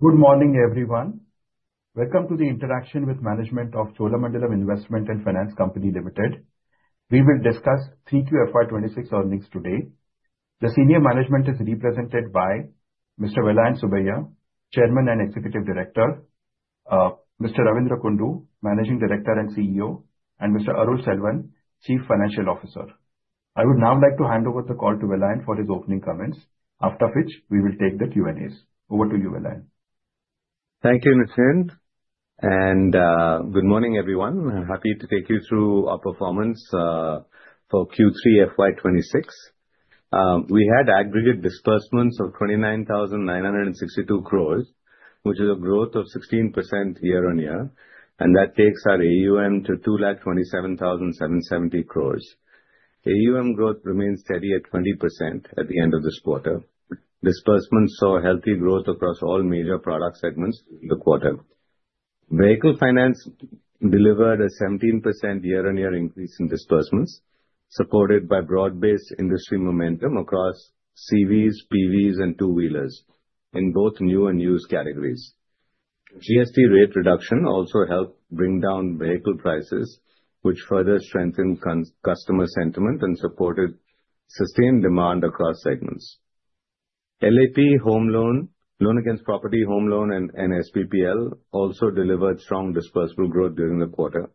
Good morning, everyone. Welcome to the interaction with management of Cholamandalam Investment and Finance Company Limited. We will discuss three-tier FY 2026 earnings today. The senior management is represented by Mr. Vellayan Subbiah, Chairman and Executive Director, Mr. Ravindra Kundu, Managing Director and CEO, and Mr. Arul Selvan, Chief Financial Officer. I would now like to hand over the call to Vellayan for his opening comments, after which we will take the Q&As. Over to you, Vellayan. Thank you, Nischint, and good morning, everyone. I'm happy to take you through our performance for Q3 FY 2026. We had aggregate disbursements of 29,962 crore, which is a growth of 16% year-on-year, and that takes our AUM to 2,27,770 crore. AUM growth remains steady at 20% at the end of this quarter. Disbursement saw healthy growth across all major product segments in the quarter. Vehicle finance delivered a 17% year-on-year increase in disbursements, supported by broad-based industry momentum across CVs, PVs, and two-wheelers in both new and used categories. GST rate reduction also helped bring down vehicle prices, which further strengthened customer sentiment and supported sustained demand across segments. LAP home loan, loan against property home loan, and SBPL also delivered strong disbursement growth during the quarter.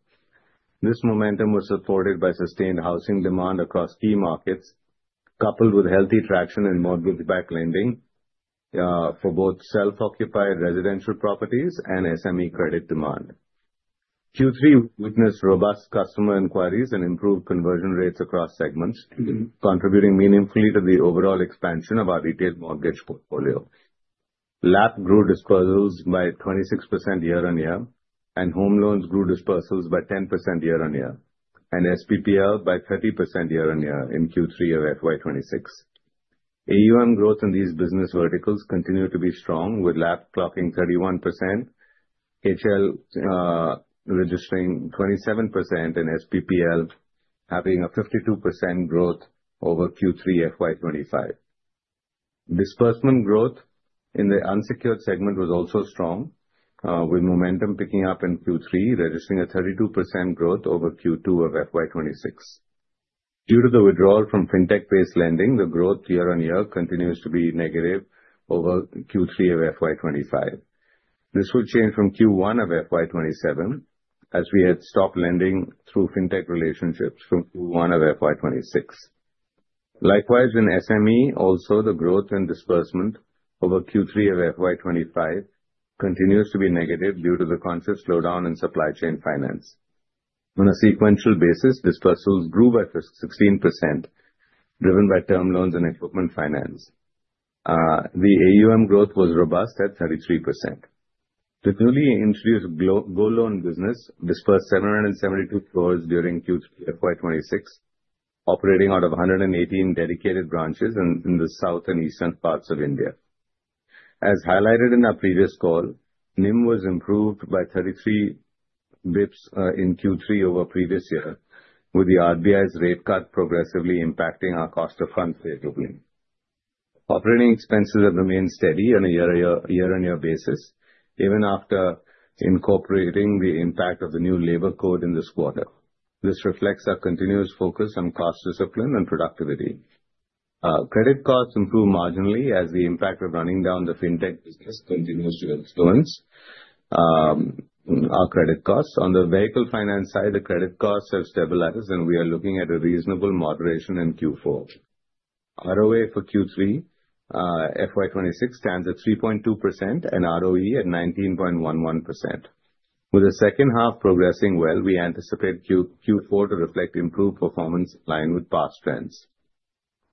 This momentum was supported by sustained housing demand across key markets, coupled with healthy traction and mortgage-backed lending for both self-occupied residential properties and SME credit demand. Q3 witnessed robust customer inquiries and improved conversion rates across segments, contributing meaningfully to the overall expansion of our retail mortgage portfolio. LAP grew disbursals by 26% year-on-year, and home loans grew disbursals by 10% year-on-year, and SBPL by 30% year-on-year in Q3 of FY 2026. AUM growth in these business verticals continued to be strong, with LAP clocking 31%, HL registering 27%, and SBPL having a 52% growth over Q3 FY 2025. Disbursement growth in the unsecured segment was also strong, with momentum picking up in Q3, registering a 32% growth over Q2 of FY 2026. Due to the withdrawal from fintech-based lending, the growth year-on-year continues to be negative over Q3 of FY 2025. This will change from Q1 of FY 2027, as we had stopped lending through fintech relationships from Q1 of FY 2026. Likewise, in SME, also, the growth and disbursement over Q3 of FY 2025 continues to be negative due to the conscious slowdown in supply chain finance. On a sequential basis, disbursals grew by 16%, driven by term loans and equipment finance. The AUM growth was robust at 33%. The newly introduced gold loan business disbursed 772 crore during Q3 FY 2026, operating out of 118 dedicated branches in the south and eastern parts of India. As highlighted in our previous call, NIM was improved by 33 bps in Q3 over previous year, with the RBI's rate cut progressively impacting our cost of funds favorably. Operating expenses have remained steady on a year-on-year, year-on-year basis, even after incorporating the impact of the new labor code in this quarter. This reflects our continuous focus on cost discipline and productivity. Credit costs improved marginally as the impact of running down the fintech business continues to influence our credit costs. On the vehicle finance side, the credit costs have stabilized, and we are looking at a reasonable moderation in Q4. ROA for Q3, FY 2026 stands at 3.2%, and ROE at 19.11%. With the second half progressing well, we anticipate Q4 to reflect improved performance in line with past trends.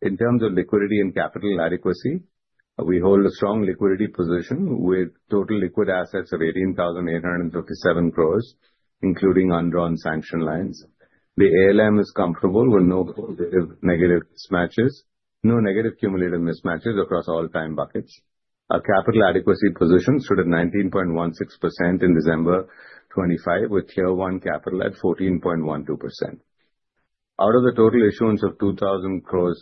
In terms of liquidity and capital adequacy, we hold a strong liquidity position with total liquid assets of 18,857 crore, including undrawn sanction lines. The ALM is comfortable with no negative mismatches, no negative cumulative mismatches across all time buckets. Our capital adequacy position stood at 19.16% in December 2025, with Tier 1 capital at 14.12%. Out of the total issuance of 2,000 crore,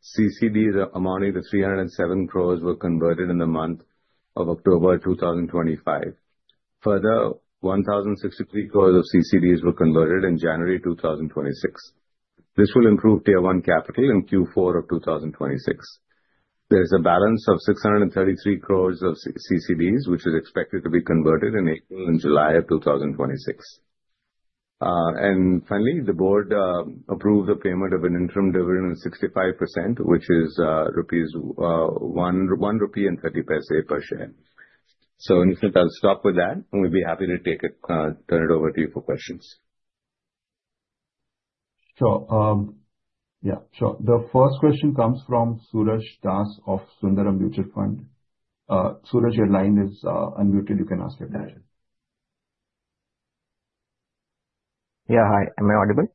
CCDs amounting to 307 crore were converted in the month of October 2025. Further, 1,063 crore of CCDs were converted in January 2026. This will improve Tier 1 capital in Q4 of 2026. There's a balance of 633 crore of CCDs, which is expected to be converted in April and July of 2026. And finally, the board approved the payment of an interim dividend of 65%, which is 1.30 rupee per share. So, Nischint, I'll stop with that, and we'll be happy to take it, turn it over to you for questions. So the first question comes from Suraj Das of Sundaram Mutual Fund. Suraj, your line is unmuted. You can ask your question. Yeah. Hi, am I audible?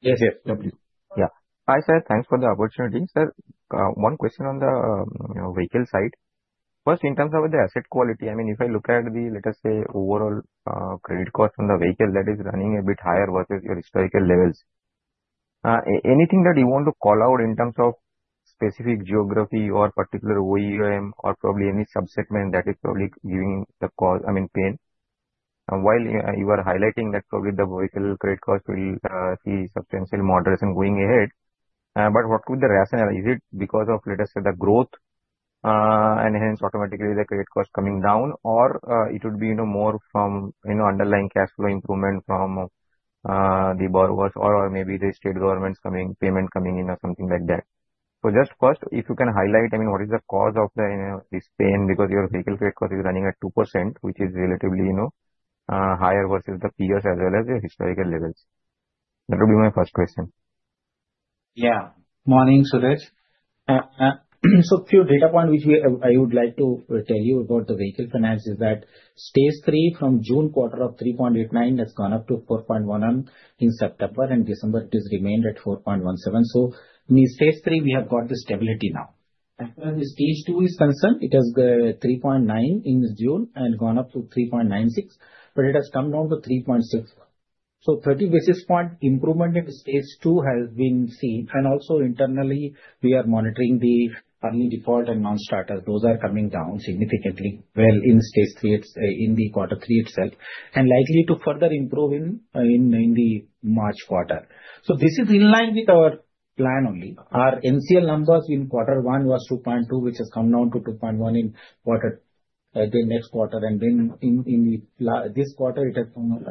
Yes, yes. Definitely. Yeah. Hi, sir, thanks for the opportunity. Sir, one question on the, you know, vehicle side. First, in terms of the asset quality, I mean, if I look at the, let us say, overall, credit cost on the vehicle that is running a bit higher versus your historical levels. Anything that you want to call out in terms of specific geography or particular OEM or probably any sub-segment that is probably giving the cause, I mean, pain? While you are highlighting that probably the vehicle credit cost will see substantial moderation going ahead, but what could the rationale? Is it because of, let us say, the growth, and hence automatically the credit cost coming down? Or, it would be, you know, more from, you know, underlying cash flow improvement from the borrowers or maybe the state governments coming, payment coming in or something like that. So just first, if you can highlight, I mean, what is the cause of the, you know, this pain? Because your vehicle credit cost is running at 2%, which is relatively, you know, higher versus the peers as well as the historical levels. That would be my first question. Yeah. Morning, Suresh. So few data points which we, I would like to tell you about the vehicle finance is that Stage 3 from June quarter of 3.89 has gone up to 4.11 in September, and December it has remained at 4.17. So in Stage 3, we have got the stability now. As far as Stage 2 is concerned, it has 3.9 in June and gone up to 3.96, but it has come down to 3.6. So 30 basis point improvement in Stage 2 has been seen, and also internally we are monitoring the early default and non-starters. Those are coming down significantly, well, in Stage 3, it's in the quarter three itself, and likely to further improve in the March quarter. So this is in line with our plan only. Our NCL numbers in quarter one was 2.2%, which has come down to 2.1% in quarter, the next quarter, and then in, in this quarter, it has come,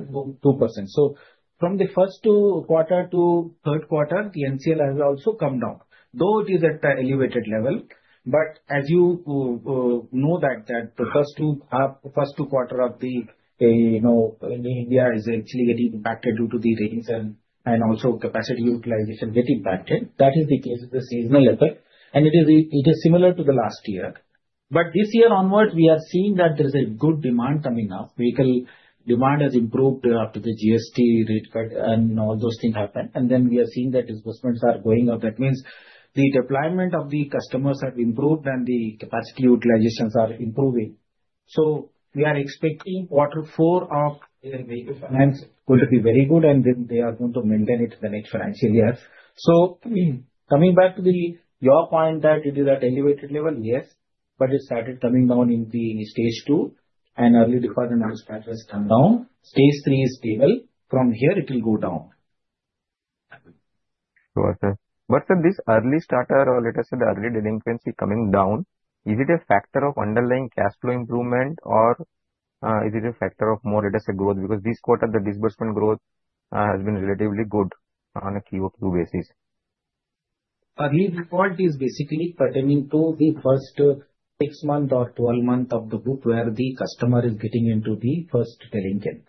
2%. So from the first two quarter to third quarter, the NCL has also come down, though it is at a elevated level. But as you, know that, that the first two half, the first two quarter of the, you know, India is actually getting impacted due to the rains and, and also capacity utilization getting impacted. That is the case, the seasonal effect, and it is, it is similar to the last year. But this year onwards, we are seeing that there is a good demand coming up. Vehicle demand has improved after the GST rate cut and all those things happen. Then we are seeing that disbursements are going up. That means the deployment of the customers have improved and the capacity utilizations are improving. So we are expecting quarter four of the Vehicle Finance going to be very good, and then they are going to maintain it the next financial year. So, coming back to your point that it is at elevated level, yes, but it started coming down in Stage 2, and Early Default and Non-Starters come down. Stage 3 is stable. From here, it will go down. Sure, sir. But, sir, this early starter or let us say, the early delinquency coming down, is it a factor of underlying cash flow improvement or, is it a factor of more, let us say, growth? Because this quarter, the disbursement growth, has been relatively good on a QoQ basis. Early default is basically pertaining to the first six months or 12 months of the book, where the customer is getting into the first delinquent.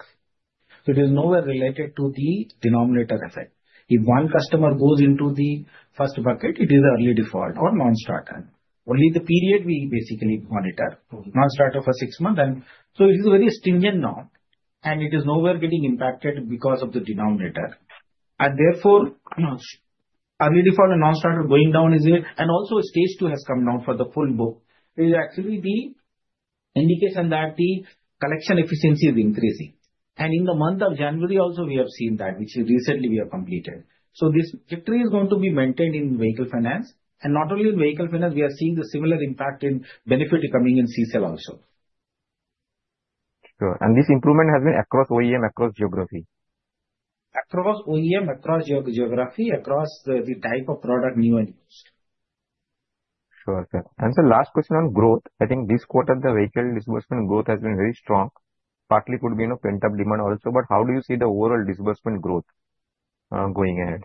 It is nowhere related to the denominator effect. If one customer goes into the first bucket, it is early default or non-starter. Only the period we basically monitor. Non-starter for six months, and so it is very stringent now, and it is nowhere getting impacted because of the denominator. Therefore, early default and non-starter going down is a. Also, Stage 2 has come down for the full book. It is actually the indication that the collection efficiency is increasing. In the month of January also, we have seen that, which recently we have completed. So this victory is going to be maintained in Vehicle Finance. Not only in vehicle finance, we are seeing the similar impact in benefit coming in CSEL also. Sure. This improvement has been across OEM, across geography? Across OEM, across geography, across the type of product, new and used. Sure, sir. Sir, last question on growth. I think this quarter, the vehicle disbursement growth has been very strong. Partly could be, you know, pent-up demand also, but how do you see the overall disbursement growth going ahead?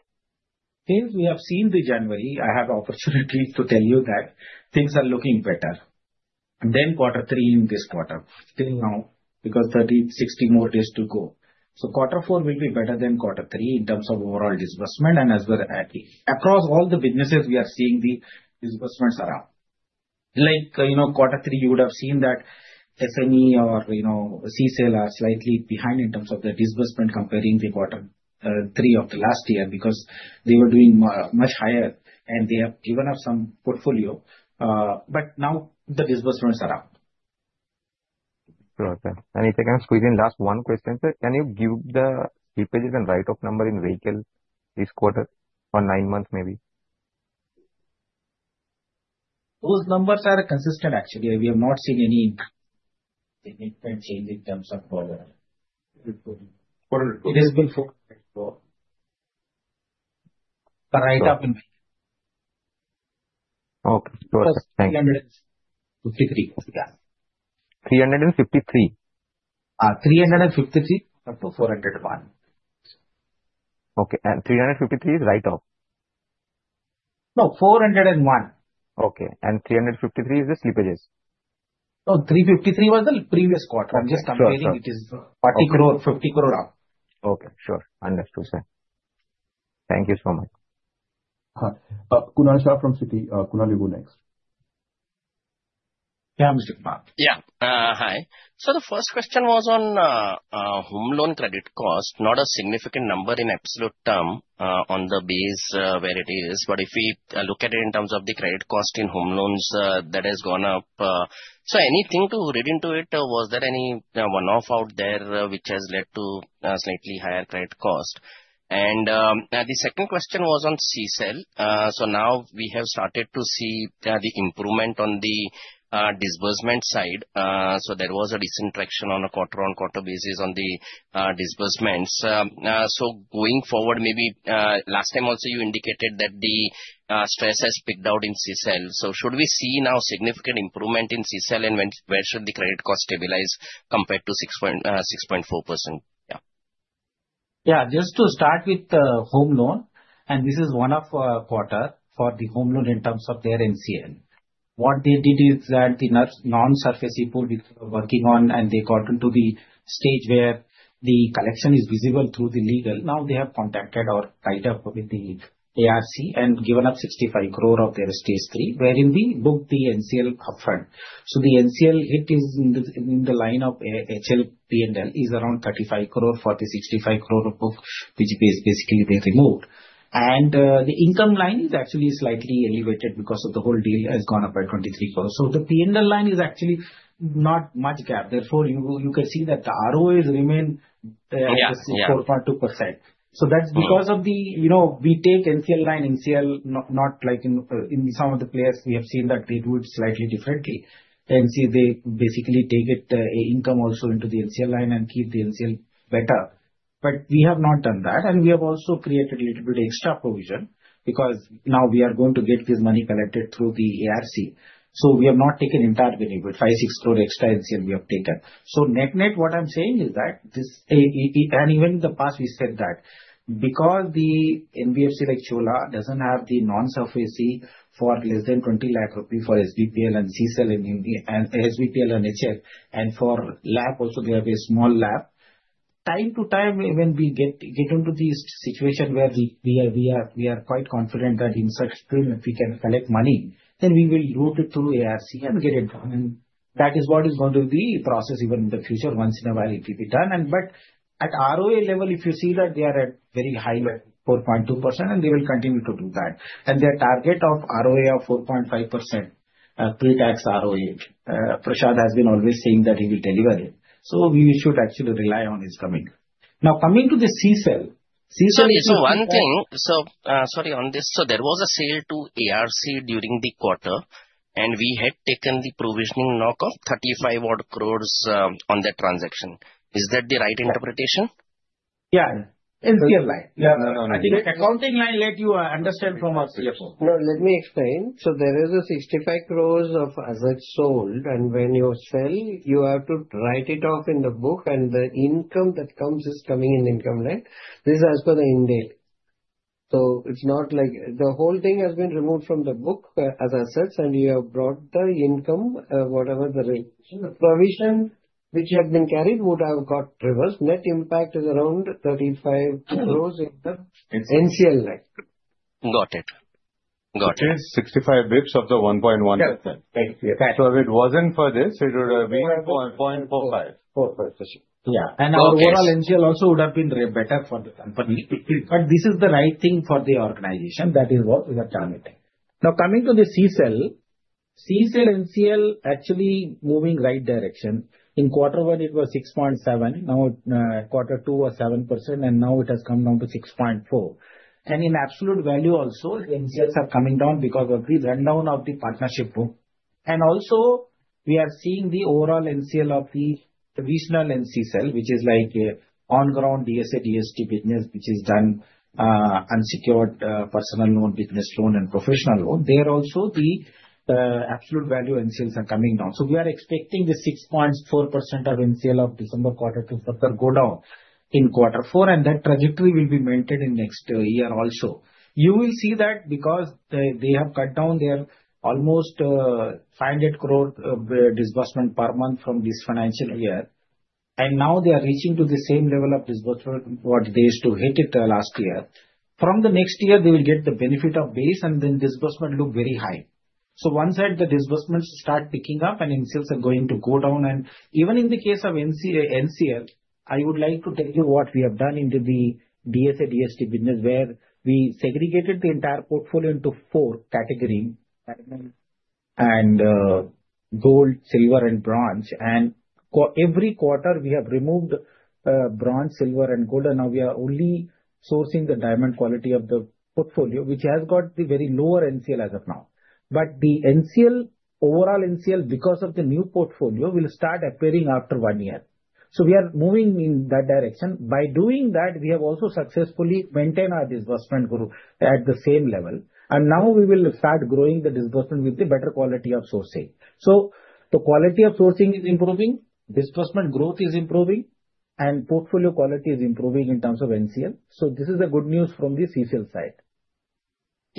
Since we have seen the January, I have opportunity to tell you that things are looking better than quarter three in this quarter till now, because 30, 60 more days to go. So quarter four will be better than quarter three in terms of overall disbursement, and as well as across all the businesses we are seeing the disbursements are up. Like, you know, quarter three, you would have seen that SME or, you know, C-sale are slightly behind in terms of their disbursement, comparing the quarter three of the last year, because they were doing much higher and they have given up some portfolio, but now the disbursements are up. Sure, sir. And if I can squeeze in last one question, sir, can you give the slippages and write-off number in vehicle this quarter or nine months, maybe? Those numbers are consistent actually. We have not seen any significant change in terms of further disbursement. It has been four- Sure. The write-up in- Okay, sure. Thanks. 353. Yeah. 353? 353-401. Okay, and 353 is write-off? No, 401. Okay, and 353 is the slippages? No, 353 was the previous quarter. Okay. Sure, sure. I'm just comparing, it is 40 crore, 50 crore up. Okay, sure. Understood, sir. Thank you so much. Kunal Shah from Citi. Kunal, you go next. Yeah, Mr. Kunal. Yeah. Hi. So the first question was on home loan credit cost, not a significant number in absolute term on the base where it is, but if we look at it in terms of the credit cost in home loans, that has gone up, so anything to read into it, or was there any one-off out there which has led to a slightly higher credit cost? And the second question was on CSEL. So now we have started to see the improvement on the disbursement side. So there was a recent traction on a quarter-on-quarter basis on the disbursements. So going forward, maybe last time also you indicated that the stress has peaked out in CSEL. So should we see now significant improvement in CSEL, and when- where should the credit cost stabilize compared to 6.6%, 6.4%? Yeah. Yeah, just to start with the home loan, and this is one of our quarter for the home loan in terms of their NCL. What they did is that the non-performing people working on, and they got into the stage where the collection is visible through the legal. Now they have contacted or tied up with the ARC and given up 65 crore of their Stage 3, wherein we book the NCL upfront. So the NCL, it is in the, in the line of, HLPNL is around 35 crore, forty, 65 crore above POS is basically being removed. And, the income line is actually slightly elevated because of the whole deal has gone up by 23%. So the PNL line is actually not much gap. Therefore, you can see that the ROAs remain. Yeah, yeah. 4.2%. So that's because of the, you know, we take NCL line, NCL, not like in, in some of the players we have seen that they do it slightly differently. NCL, they basically take it, the income also into the NCL line and keep the NCL better. But we have not done that, and we have also created a little bit extra provision, because now we are going to get this money collected through the ARC. So we have not taken entire benefit, 5 crore-6 crore extra NCL we have taken. So net-net, what I'm saying is that this... and even in the past we said that, because the NBFC like Chola doesn't have the non-SARFAESI for less than 20 lakh rupees for SBPL and CSEL and UB and SBPL and HF, and for LAP also, we have a small LAP. time to time, when we get into the situation where we are quite confident that in such stream, if we can collect money, then we will route it through ARC and get it done, and that is what is going to be the process even in the future. Once in a while it will be done and... But at ROA level, if you see that they are at very high level, 4.2%, and they will continue to do that. And their target of ROA of 4.5%, pre-tax ROA, Prasad has been always saying that he will deliver it. So we should actually rely on his commitment. Now, coming to the CSEL. CSEL is not- So one thing, so, sorry on this, so there was a sale to ARC during the quarter, and we had taken the provisioning knock of 35 odd crores, on that transaction. Is that the right interpretation? Yeah. NCL line. Yeah. No, no, I think accounting line let you understand from our perspective. No, let me explain. So there is 65 crore of as such sold, and when you sell, you have to write it off in the book, and the income that comes is coming in income line. This is as per the end date. So it's not like. The whole thing has been removed from the book, as such, and you have brought the income, whatever the rate. The provision which you have been carried would have got reversed. Net impact is around 35 crore in the NCL line. Got it. Got it. 65 bps of the 1.1%. Yes. Thank you. So if it wasn't for this, it would have been- 0.45. 4, 5, yes. Yeah. Our overall NCL also would have been even better for the company. But this is the right thing for the organization, that is what we are targeting. Now, coming to the CSEL. CSEL NCL actually moving right direction. In quarter one, it was 6.7%, now, quarter two was 7%, and now it has come down to 6.4%. In absolute value also, the NCLs are coming down because of the rundown of the partnership book. Also, we are seeing the overall NCL of the regional NCL, which is like an on-ground DSA, DST business, which is done unsecured, personal loan, business loan, and professional loan. There also, the absolute value NCLs are coming down. So we are expecting the 6.4% of NCL of December quarter to further go down in quarter four, and that trajectory will be maintained in next year also. You will see that because they, they have cut down their almost 500 crore of disbursement per month from this financial year, and now they are reaching to the same level of disbursement what they used to hit it last year. From the next year, they will get the benefit of base, and then disbursement look very high. So one side, the disbursements start picking up and NCLs are going to go down, and even in the case of NCL, I would like to tell you what we have done into the DSA, DST business, where we segregated the entire portfolio into four categories: Diamond, Gold, Silver, and Bronze. Every quarter we have removed bronze, Silver, and Gold, and now we are only sourcing the Diamond quality of the portfolio, which has got the very lower NCL as of now. But the NCL, overall NCL, because of the new portfolio, will start appearing after one year. So we are moving in that direction. By doing that, we have also successfully maintained our disbursement growth at the same level, and now we will start growing the disbursement with a better quality of sourcing. So the quality of sourcing is improving, disbursement growth is improving, and portfolio quality is improving in terms of NCL. So this is the good news from the CSEL side.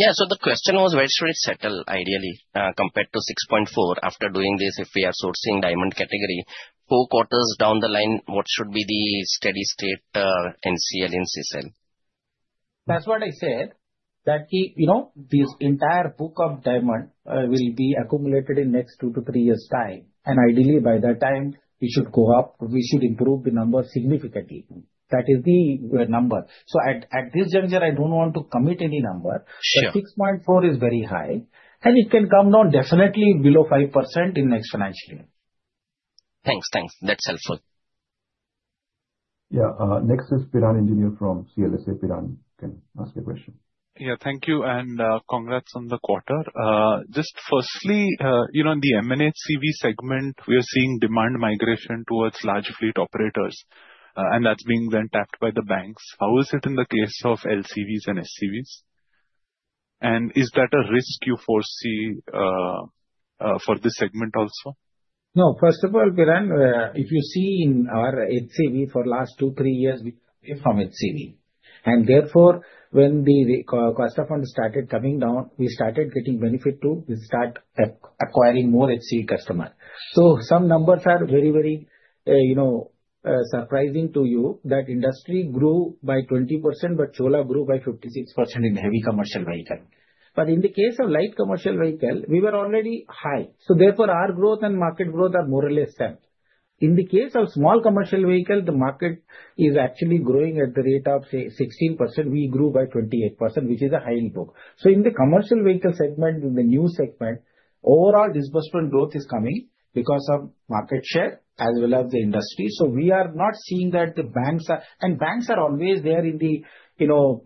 Yeah, so the question was, where should it settle ideally, compared to 6.4%? After doing this, if we are sourcing diamond category, four quarters down the line, what should be the steady state, NCL in CSEL? That's what I said, that, you know, this entire book of diamond will be accumulated in next two to three years' time, and ideally, by that time, we should go up, we should improve the number significantly. That is the number. So at this juncture, I don't want to commit any number. Sure. 6.4% is very high, and it can come down definitely below 5% in next financial year. Thanks, thanks. That's helpful. Yeah, next is Piran Engineer from CLSA. Piran, you can ask your question. Yeah, thank you, and congrats on the quarter. Just firstly, you know, in the M&HCV segment, we are seeing demand migration towards large fleet operators, and that's being then tapped by the banks. How is it in the case of LCVs and SCVs? And is that a risk you foresee, for this segment also? No, first of all, Piran, if you see in our HCV for last two, three years, we from HCV. And therefore, when the cost of funds started coming down, we started getting benefit too. We start acquiring more HCV customer. So some numbers are very, very, you know, surprising to you, that industry grew by 20%, but Chola grew by 56% in heavy commercial vehicle. But in the case of light commercial vehicle, we were already high, so therefore, our growth and market growth are more or less same. In the case of small commercial vehicle, the market is actually growing at the rate of, say, 16%. We grew by 28%, which is a high input. So in the commercial vehicle segment, in the new segment, overall disbursement growth is coming because of market share as well as the industry. So we are not seeing that the banks are. And banks are always there in the, you know,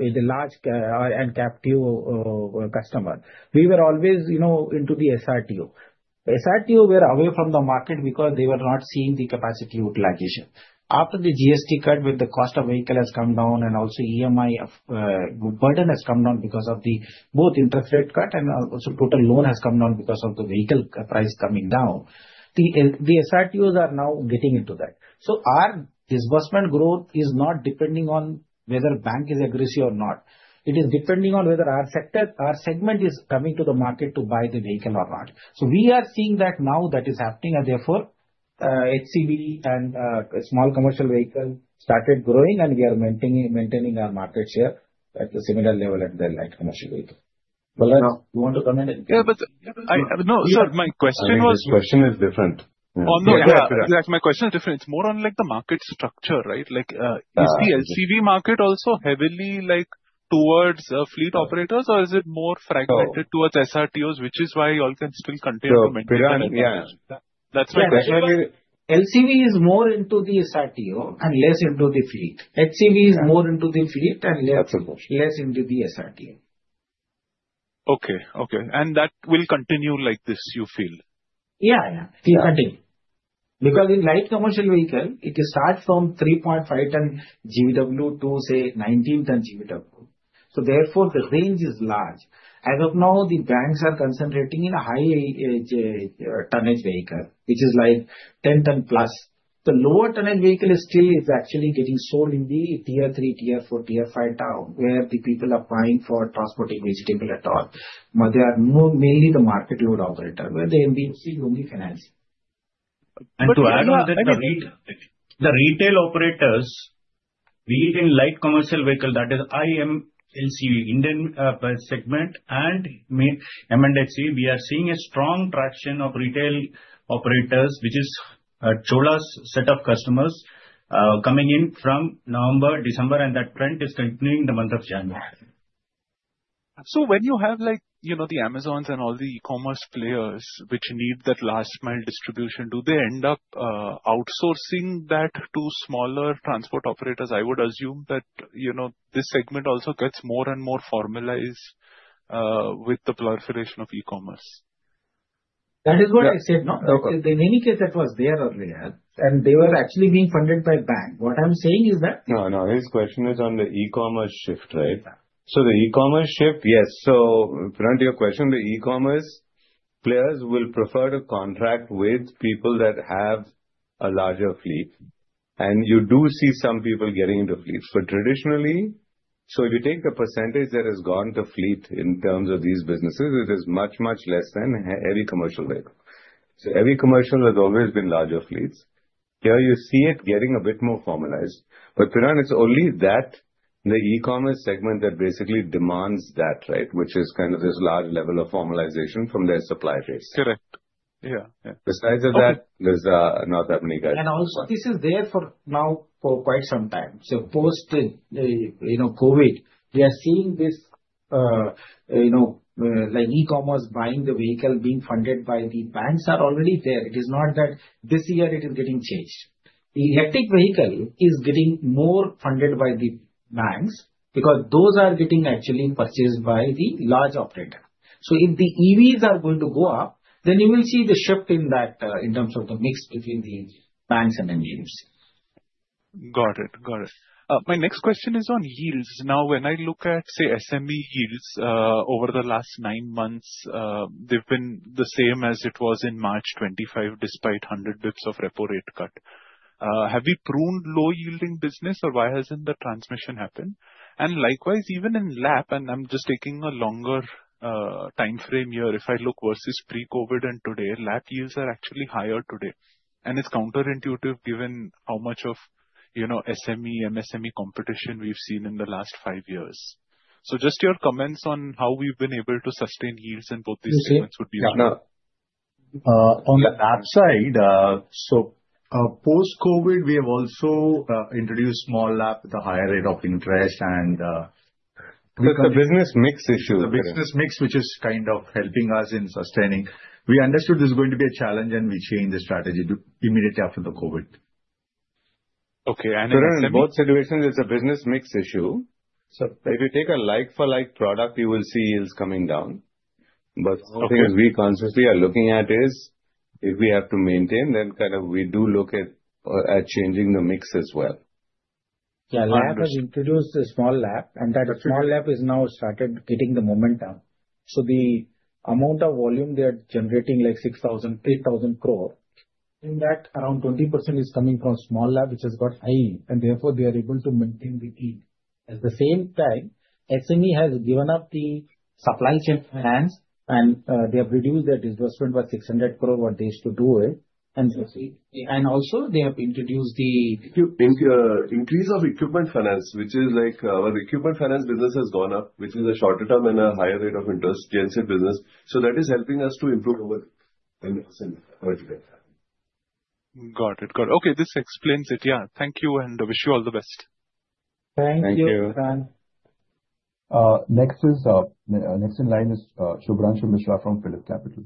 in the large, and captive, customer. We were always, you know, into the SRTO. SRTOs were away from the market because they were not seeing the capacity utilization. After the GST cut, with the cost of vehicle has come down and also EMI burden has come down because of the both interest rate cut and also total loan has come down because of the vehicle price coming down, the SRTOs are now getting into that. So our disbursement growth is not depending on whether bank is aggressive or not. It is depending on whether our sector, our segment is coming to the market to buy the vehicle or not. So we are seeing that now that is happening, and therefore, HCV and small commercial vehicle started growing and we are maintaining, maintaining our market share at a similar level at the light commercial vehicle. Well, you want to comment? Yeah, but no, sir, my question was- I think his question is different. On the, yeah, that's my question is different. It's more on, like, the market structure, right? Like, Yeah. Is the LCV market also heavily, like, towards fleet operators, or is it more fragmented? No. towards SRTOs, which is why you all can still continue to maintain? Piran, yeah. That's my question. LCV is more into the SRTO and less into the fleet. LCV is more into the fleet and less into the SRTO. Okay. Okay, and that will continue like this, you feel? Yeah, yeah. It will continue. Because in light commercial vehicle, it will start from 3.5 ton GVW to, say, 19 ton GVW. So therefore, the range is large. As of now, the banks are concentrating in a high a tonnage vehicle, which is like 10 ton+. The lower tonnage vehicle is still, is actually getting sold in the tier three, tier four, tier five town, where the people are buying for transporting vegetable at all. But they are more mainly the market load operator, where they MC only finance. To add on that, the retail, the retail operators, be it in light commercial vehicle, that is ILCV, Indian segment, and M&HCV, we are seeing a strong traction of retail operators, which is, Chola's set of customers, coming in from November, December, and that trend is continuing in the month of January. So when you have like, you know, the Amazons and all the e-commerce players, which need that last mile distribution, do they end up outsourcing that to smaller transport operators? I would assume that, you know, this segment also gets more and more formalized with the proliferation of e-commerce. That is what I said, no? Okay. In any case, that was there earlier, and they were actually being funded by bank. What I'm saying is that- No, no, his question is on the e-commerce shift, right? So the e-commerce shift, yes, so to answer your question, the e-commerce players will prefer to contract with people that have a larger fleet, and you do see some people getting into fleets. But traditionally, so if you take the percentage that has gone to fleet in terms of these businesses, it is much, much less than heavy commercial vehicle. So heavy commercial has always been larger fleets. Here, you see it getting a bit more formalized. But, Piran, it's only that, the e-commerce segment, that basically demands that, right? Which is kind of this large level of formalization from their supply base. Correct. Yeah, yeah. Besides that- Okay. There's not that many guys. And also, this is there for now, for quite some time. So post, you know, COVID, we are seeing this, you know, like e-commerce buying the vehicle, being funded by the banks are already there. It is not that this year it is getting changed. The electric vehicle is getting more funded by the banks, because those are getting actually purchased by the large operator. So if the EVs are going to go up, then you will see the shift in that, in terms of the mix between the banks and the EVs. Got it. Got it. My next question is on yields. Now, when I look at, say, SME yields, over the last nine months, they've been the same as it was in March 2025, despite 100 basis points of repo rate cut. Have we pruned low yielding business, or why hasn't the transmission happened? And likewise, even in LAP, and I'm just taking a longer time frame here, if I look versus pre-COVID and today, LAP yields are actually higher today. And it's counterintuitive, given how much of, you know, SME, MSME competition we've seen in the last five years. So just your comments on how we've been able to sustain yields in both these segments would be helpful. On the LAP side, so, post-COVID, we have also introduced SME LAP with a higher rate of interest and, With the business mix issue. The business mix, which is kind of helping us in sustaining. We understood this is going to be a challenge and we changed the strategy to immediately after the COVID. Okay, and- In both situations, it's a business mix issue. Sir- If you take a like-for-like product, you will see it's coming down. But- Okay. Some of the things we constantly are looking at is, if we have to maintain, then, kind of, we do look at changing the mix as well. Yeah, LAP has introduced a small LAP, and that small LAP has now started getting the momentum. So the amount of volume they are generating, like 6,300 crore, in that, around 20% is coming from small LAP, which has got high, and therefore they are able to maintain the team. At the same time, SME has given up the supply chain finance, and they have reduced their disbursement by 600 crore, what they used to do it. And also they have introduced the- An increase of equipment finance, which is like our equipment finance business has gone up, which is a shorter term and a higher rate of interest, Genset business. So that is helping us to improve over 10% vertically. Got it. Got it. Okay, this explains it, yeah. Thank you, and wish you all the best. Thank you. Thank you. Next in line is Sudhanshu Mishra from PhillipCapital.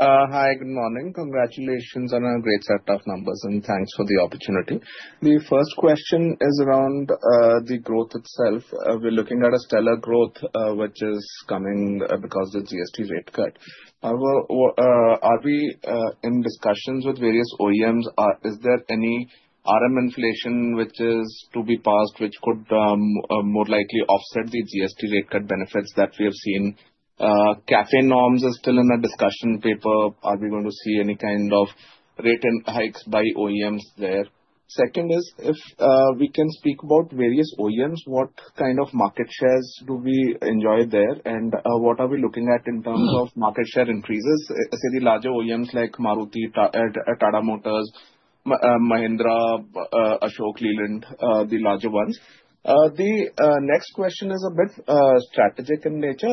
Hi, good morning. Congratulations on a great set of numbers, and thanks for the opportunity. The first question is around the growth itself. We're looking at a stellar growth, which is coming because of the GST rate cut. However, are we in discussions with various OEMs, or is there any RM inflation which is to be passed, which could more likely offset the GST rate cut benefits that we have seen? CAFE norms are still in a discussion paper. Are we going to see any kind of rate and hikes by OEMs there? Second is, if we can speak about various OEMs, what kind of market shares do we enjoy there? What are we looking at in terms of market share increases, say, the larger OEMs like Maruti, Tata Motors, Mahindra, Ashok Leyland, the larger ones. The next question is a bit strategic in nature.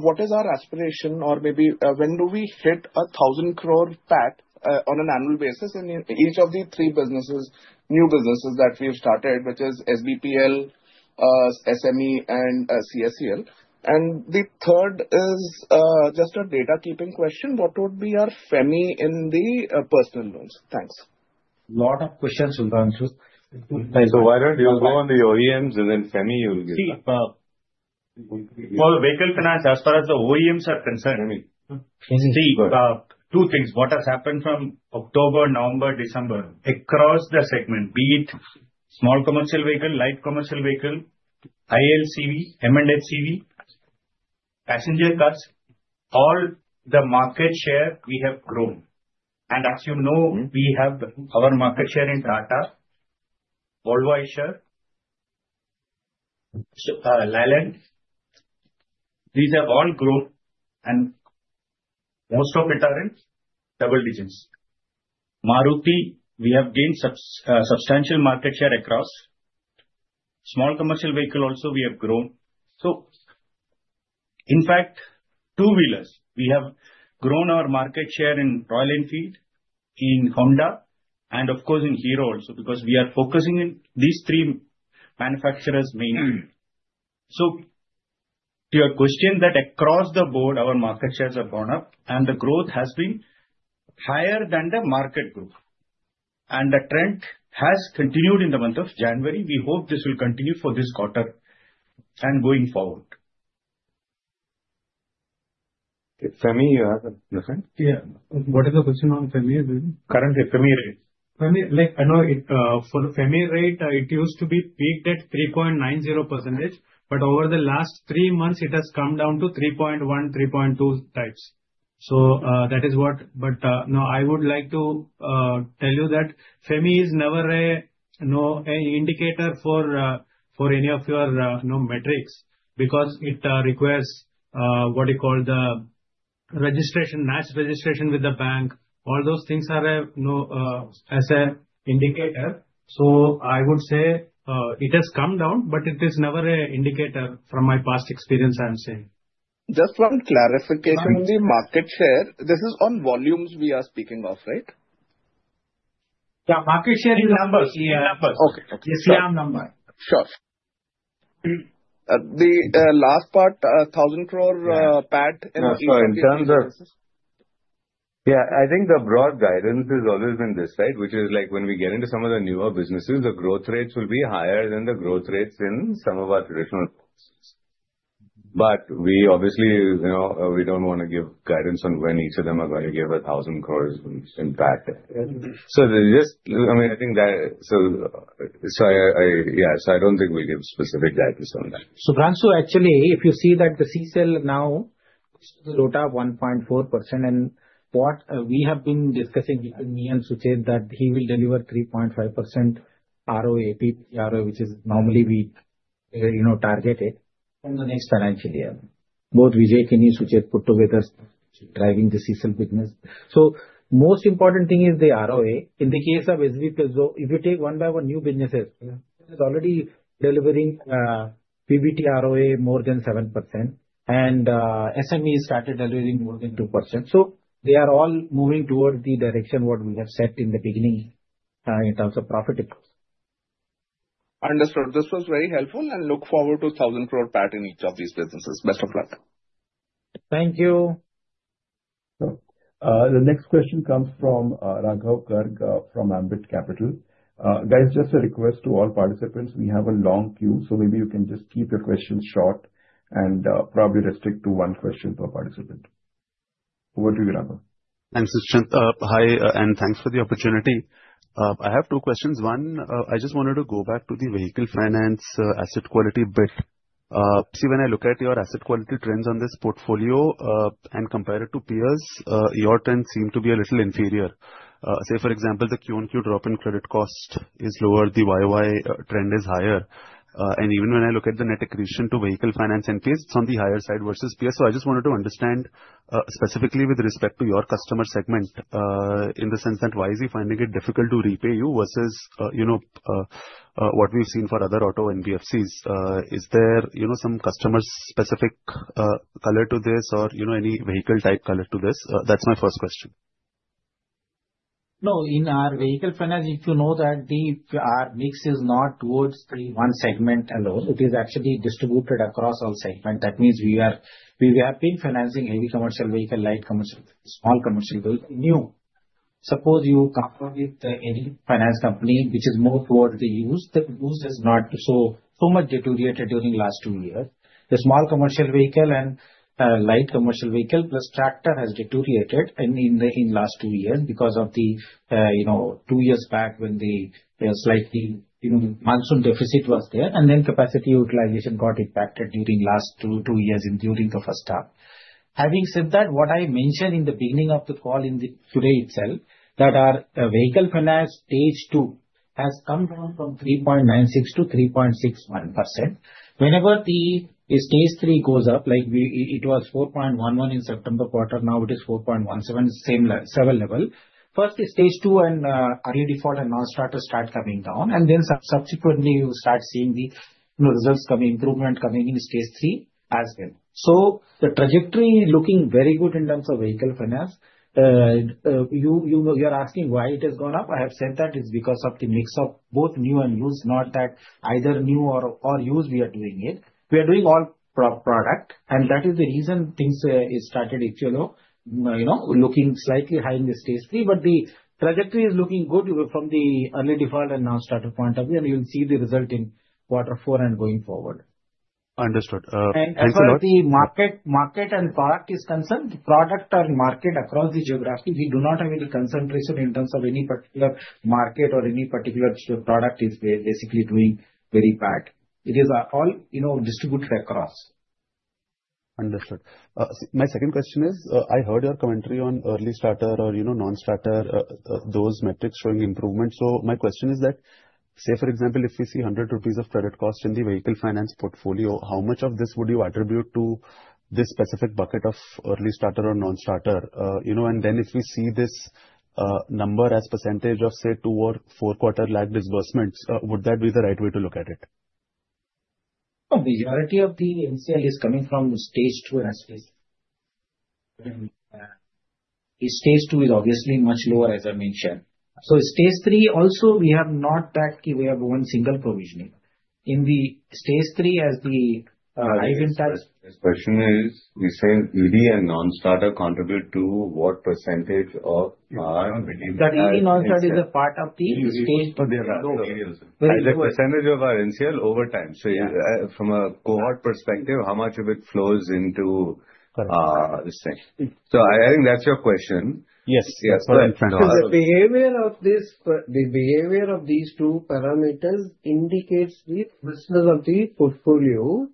What is our aspiration? Or maybe, when do we hit 1,000 crore PAT, on an annual basis in each of the three businesses, new businesses that we have started, which is SBPL, SME, and CSCL? And the third is just a data keeping question: What would be our FEMI in the personal loans? Thanks. Lot of questions, Sudhanshu. So, why don't you go on the OEMs and then FEMI you will get. See, for the vehicle finance, as far as the OEMs are concerned- FEMI. See, two things. What has happened from October, November, December, across the segment, be it small commercial vehicle, light commercial vehicle, ILCV, M&HCV, passenger cars, all the market share we have grown. And as you know, we have our market share in Tata, Volvo Eicher share, Ashok Leyland. These have all grown, and most of it are in double digits. Maruti, we have gained substantial market share across. Small commercial vehicle also we have grown. So, in fact, two-wheelers, we have grown our market share in Royal Enfield, in Honda, and of course, in Hero also, because we are focusing in these three manufacturers mainly. So to your question, that across the board, our market shares have gone up, and the growth has been higher than the market growth. And the trend has continued in the month of January. We hope this will continue for this quarter and going forward. FEMI, you have the second? Yeah. What is the question on FEMI again? Currently, FEMI rates. FEMI, like I know, it for the FEMI rate, it used to be peaked at 3.90%, but over the last three months, it has come down to 3.1, 3.2 types. So, that is what. But, no, I would like to tell you that FEMI is never a, no, a indicator for for any of your, you know, metrics, because it requires what you call the registration, match registration with the bank. All those things are a, you know, as a indicator. So I would say, it has come down, but it is never a indicator from my past experience, I am saying. Just one clarification. On the market share, this is on volumes we are speaking of, right? Yeah, market share is numbers. Yeah, numbers. Okay, okay. It's RAM number. Sure. The last part, 1,000 crore, PAT- So in terms of. Yeah, I think the broad guidance is always in this side, which is like when we get into some of the newer businesses, the growth rates will be higher than the growth rates in some of our traditional businesses. But we obviously, you know, we don't want to give guidance on when each of them are going to give 1,000 crore in PAT. So there's just, I mean, I think that, so I don't think we'll give specific guidance on that. Sudhanshu, actually, if you see that the CSCL now ROA 1.4%, and what we have been discussing between me and Sujeet, that he will deliver 3.5% ROA ROE, which is normally we, you know, target it in the next financial year. Both Vijay and Sujeet put together, driving the CSCL business. So most important thing is the ROA. In the case of SVPS, so if you take one by one new businesses, is already delivering PBT ROA more than 7%, and SME started delivering more than 2%. So they are all moving towards the direction what we have set in the beginning in terms of profit, it goes. Understood. This was very helpful, and look forward to 1,000 crore PAT in each of these businesses. Best of luck. Thank you. The next question comes from Raghav Garg from Ambit Capital. Guys, just a request to all participants, we have a long queue, so maybe you can just keep your questions short and probably restrict to one question per participant. Over to you, Raghav. Thanks, Nischint. Hi, and thanks for the opportunity. I have two questions. One, I just wanted to go back to the Vehicle Finance asset quality bit. See, when I look at your asset quality trends on this portfolio, and compare it to peers, your trends seem to be a little inferior. Say, for example, the QoQ drop in credit cost is lower, the YoY trend is higher. And even when I look at the net accretion to Vehicle Finance in case, it's on the higher side versus peers. So I just wanted to understand, specifically with respect to your customer segment, in the sense that why is he finding it difficult to repay you versus, you know, what we've seen for other auto NBFCs? Is there, you know, some customer-specific color to this or, you know, any vehicle type color to this? That's my first question. No, in our vehicle finance, if you know that the, our mix is not towards the one segment alone, it is actually distributed across all segment. That means we are, we have been financing heavy commercial vehicle, light commercial, small commercial vehicle, new. Suppose you compare with, any finance company which is more towards the used, the used is not so, so much deteriorated during the last two years. The small commercial vehicle and, light commercial vehicle, plus tractor has deteriorated in the, in last two years because of the, you know, two years back when the, slightly, you know, monsoon deficit was there, and then capacity utilization got impacted during last two, two years and during the first half. Having said that, what I mentioned in the beginning of the call today itself, that our vehicle finance Stage 2 has come down from 3.96% to 3.61%. Whenever Stage 3 goes up, like it was 4.11 in September quarter, now it is 4.17, same level. First, Stage 2 and early default and non-starter start coming down, and then subsequently, you start seeing the, you know, results coming, improvement coming in Stage 3 as well. So the trajectory is looking very good in terms of vehicle finance. You know, you're asking why it has gone up. I have said that it's because of the mix of both new and used, not that either new or used, we are doing it. We are doing all pro- product, and that is the reason things started, if you know, you know, looking slightly high in the Stage 3. But the trajectory is looking good from the early default and non-starter point of view, and you'll see the result in quarter four and going forward. Understood. Uh- As far as the market and product is concerned, product and market across the geography, we do not have any concentration in terms of any particular market or any particular product is basically doing very bad. It is all, you know, distributed across. Understood. My second question is, I heard your commentary on early starter or, you know, non-starter, those metrics showing improvement. So my question is that, say, for example, if we see 100 rupees of credit cost in the vehicle finance portfolio, how much of this would you attribute to this specific bucket of early starter or non-starter? You know, and then if we see this number as percentage of, say, two or four quarter lag disbursements, would that be the right way to look at it? A majority of the NCL is coming from Stage 2 and Stage 3. The Stage 2 is obviously much lower, as I mentioned. So Stage 3 also, we have not that we have one single provisioning. In the Stage 3, as the, His question is, we say early and non-starter contribute to what percentage of our- The early non-starter is a part of the Stage 2. No, as a percentage of our NCL over time. Yeah. So from a cohort perspective, how much of it flows into this thing? So I, I think that's your question. Yes. Yes. The behavior of these two parameters indicates the business of the portfolio.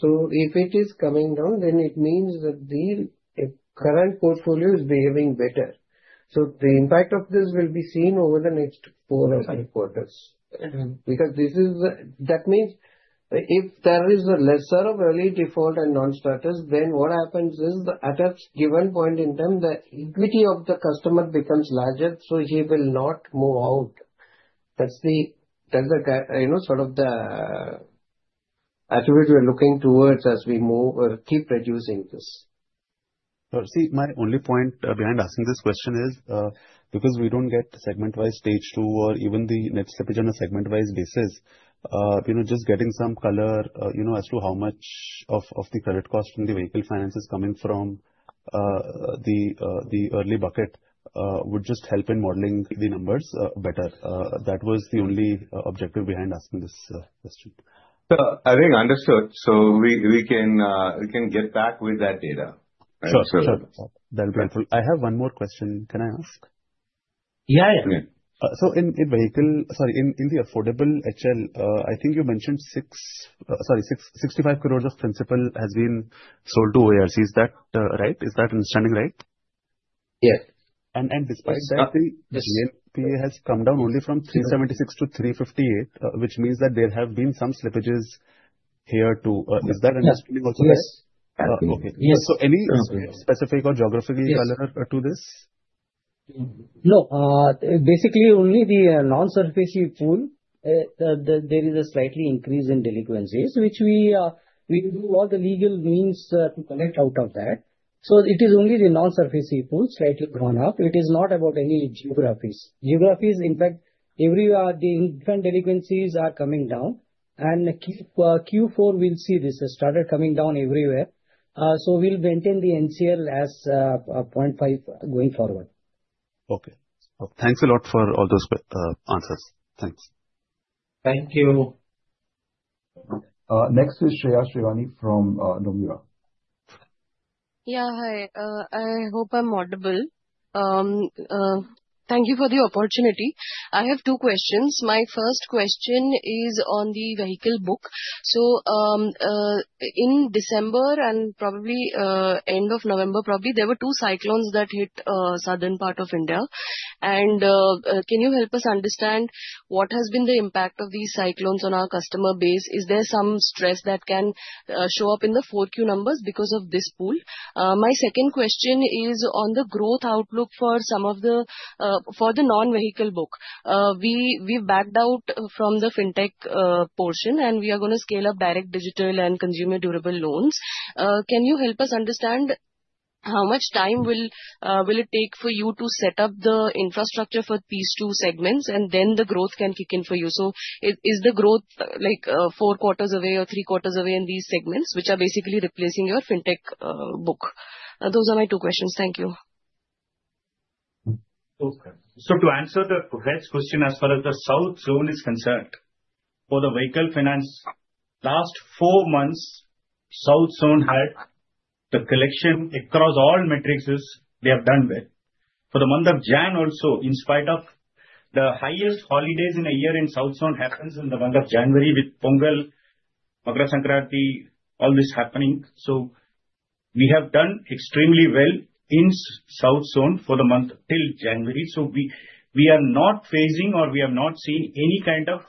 So if it is coming down, then it means that the current portfolio is behaving better. So the impact of this will be seen over the next 4 or 5 quarters. Mm-hmm. Because this is the. That means, if there is a lesser of early default and non-starters, then what happens is, at a given point in time, the equity of the customer becomes larger, so he will not move out. That's the, that's the, you know, sort of the attribute we're looking towards as we move or keep reducing this. See, my only point behind asking this question is because we don't get segment-wise Stage 2 or even the next slippage on a segment-wise basis, you know, just getting some color as to how much of the credit cost in the Vehicle Finance is coming from the early bucket would just help in modeling the numbers better. That was the only objective behind asking this question. So, I think understood. So we can get back with that data. Sure, sure. That'll be helpful. I have one more question. Can I ask? Yeah, yeah. So in the affordable HLL, I think you mentioned 665 crore of principal has been sold to ARC. Is that right? Is that understanding right? Yes. Despite that, the NPA has come down only from 376 to 358, which means that there have been some slippages here, too. Is that understanding also there? Yes. Okay. Yes. So any specific or geographically- Yes. Color to this? No, basically only the non-SARFAESI pool, the there is a slightly increase in delinquencies, which we will do all the legal means to collect out of that. So it is only the non-SARFAESI pool slightly gone up. It is not about any geographies. Geographies, in fact, everywhere the different delinquencies are coming down, and Q4, we'll see this has started coming down everywhere. So we'll maintain the NCL as 0.5 going forward. Okay. Thanks a lot for all those answers. Thanks. Thank you. Next is Shreya Shivani from Nomura. Yeah, hi. I hope I'm audible. Thank you for the opportunity. I have two questions. My first question is on the vehicle book. So, in December and probably end of November, probably, there were two cyclones that hit southern part of India. And can you help us understand what has been the impact of these cyclones on our customer base? Is there some stress that can show up in the 4Q numbers because of this pool? My second question is on the growth outlook for the non-vehicle book. We backed out from the fintech portion, and we are going to scale up direct, digital and consumer durable loans. Can you help us understand how much time will it take for you to set up the infrastructure for these two segments, and then the growth can kick in for you? So is the growth, like, four quarters away or three quarters away in these segments, which are basically replacing your fintech book? Those are my two questions. Thank you. Okay. So to answer the first question, as far as the South Zone is concerned, for the vehicle finance, last 4 months, South Zone had the collection across all metrics, they have done well. For the month of January also, in spite of the highest holidays in a year in South Zone happens in the month of January with Pongal, Makara Sankranti, all this happening. So we have done extremely well in South Zone for the month till January. So we are not facing or we have not seen any kind of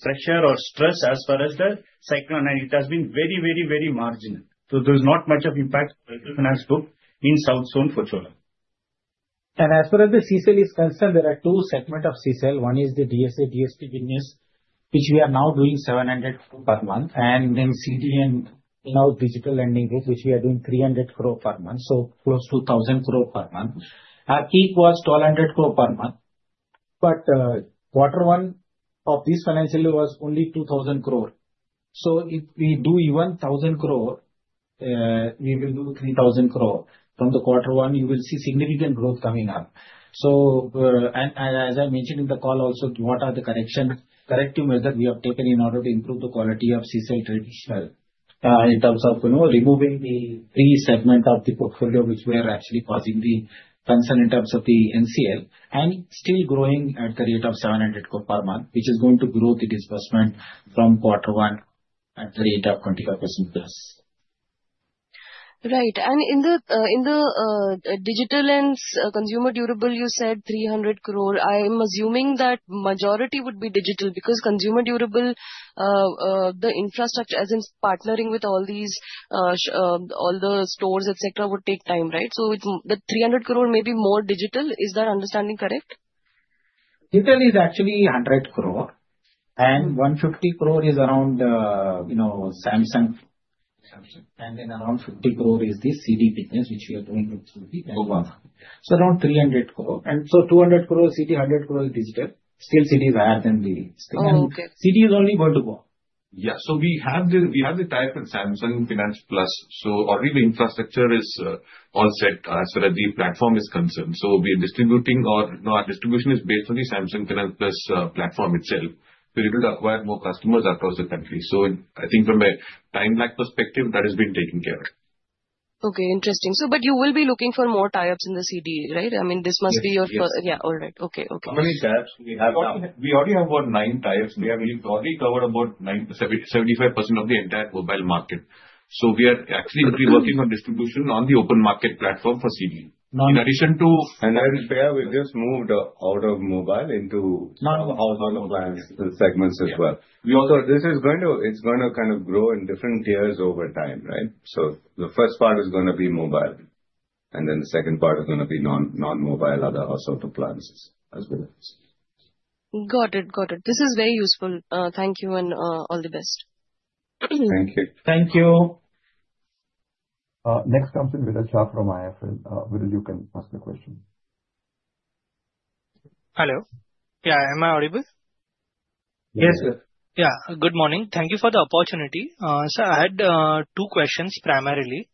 pressure or stress as far as the cyclone, and it has been very, very, very marginal. So there is not much of impact to finance book in South Zone for Chola. As far as the CSEL is concerned, there are two segments of CSEL. One is the DSA, DST business, which we are now doing 700 crore per month, and then CD and, you know, digital lending, which we are doing 300 crore per month, so close to 1,000 crore per month. Our peak was 1,200 crore per month, but quarter one of this financial year was only 2,000 crore. So if we do even 1,000 crore, we will do 3,000 crore. From the quarter one, you will see significant growth coming up. As I mentioned in the call also, what are the corrective measures we have taken in order to improve the quality of CSEL trade as well, in terms of, you know, removing the pre-segment of the portfolio, which we are actually causing the concern in terms of the NCL, and still growing at the rate of 700 crore per month, which is going to grow the disbursement from quarter one at the rate of 25%+. Right. And in the, in the, digital lens, consumer durable, you said 300 crore. I am assuming that majority would be digital, because consumer durable, the infrastructure as in partnering with all these, all the stores, et cetera, would take time, right? The 300 crore may be more digital. Is that understanding correct? Digital is actually 100 crore, and 150 crore is around, you know, Samsung, Samsung, and then around 50 crore is the CD business, which we are doing through the mobile. So around 300 crore. And so 200 crore is CD, 100 crore is digital. Still, CD is higher than the- Oh, okay. CD is only about to go up. Yeah, so we have the tie-up with Samsung Finance+, so already the infrastructure is all set as far as the platform is concerned. So we are distributing or now our distribution is based on the Samsung Finance+ platform itself. We are able to acquire more customers across the country. So I think from a time lag perspective, that has been taken care of. Okay, interesting. So but you will be looking for more tie-ups in the CD, right? I mean, this must be your first- Yes, yes. Yeah, all right. Okay, okay. How many tie-ups do we have? We already have about 9 tie-ups. We have already covered about 97.75% of the entire mobile market. So we are actually only working on distribution on the open market platform for CD. In addition to- I'll share, we just moved out of mobile into- Non-mobile. Other segments as well. Yeah. Also, this is going to... It's going to kind of grow in different tiers over time, right? So the first part is going to be mobile, and then the second part is going to be non, non-mobile, other household appliances as well. Got it, got it. This is very useful. Thank you, and all the best. Thank you. Thank you. Next comes in Viral Shah from IIFL. Viral, you can ask the question. Hello. Yeah, am I audible? Yes, yes. Yeah, good morning. Thank you for the opportunity. So I had two questions primarily.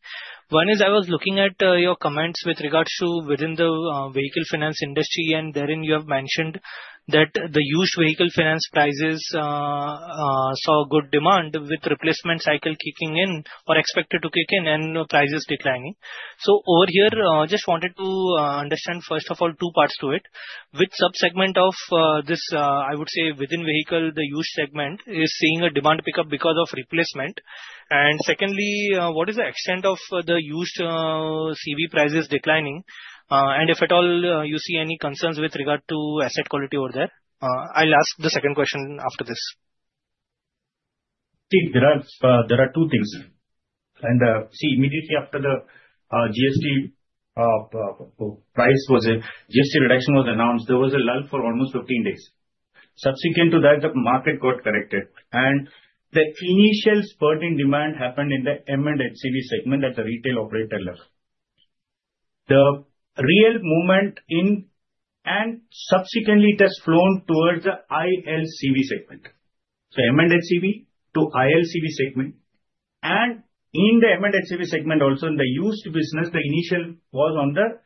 One is, I was looking at your comments with regards to within the vehicle finance industry, and therein, you have mentioned that the used vehicle finance prices saw good demand with replacement cycle kicking in or expected to kick in and prices declining. So over here, just wanted to understand, first of all, two parts to it. Which sub-segment of this, I would say within vehicle, the used segment, is seeing a demand pickup because of replacement? And secondly, what is the extent of the used CV prices declining? And if at all, you see any concerns with regard to asset quality over there. I'll ask the second question after this. I think there are, there are two things. And, see, immediately after the, GST, price was, GST reduction was announced, there was a lull for almost 15 days. Subsequent to that, the market got corrected, and the initial spurt in demand happened in the M&HCV segment, as the retail operator left. The real movement in, and subsequently it has flown towards the ILCV segment. So M&HCV to ILCV segment, and in the M&HCV segment, also in the used business, the initial was on the,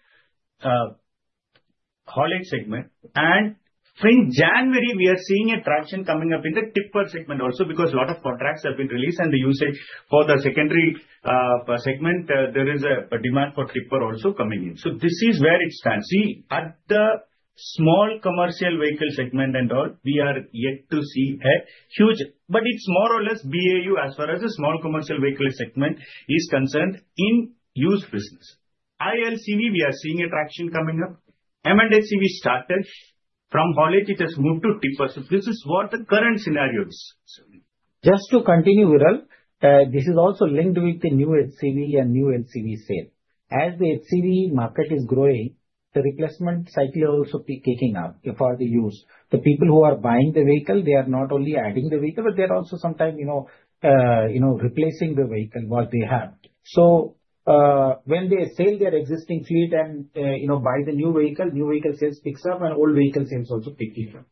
haulage segment. And from January, we are seeing a traction coming up in the tipper segment also, because a lot of contracts have been released, and the usage for the secondary, segment, there is a, a demand for tipper also coming in. So this is where it stands. See, at the small commercial vehicle segment and all, we are yet to see a huge, but it's more or less BAU, as far as the small commercial vehicle segment is concerned in used business. ILCV, we are seeing a traction coming up. M&HCV started. From haulage, it has moved to tippers. So this is what the current scenario is. Just to continue, Viral, this is also linked with the new HCV and new LCV sale. As the HCV market is growing, the replacement cycle also be kicking up for the use. The people who are buying the vehicle, they are not only adding the vehicle, but they're also sometimes, you know, you know, replacing the vehicle what they have. So, when they sell their existing fleet and, you know, buy the new vehicle, new vehicle sales picks up, and old vehicle sales also picking up.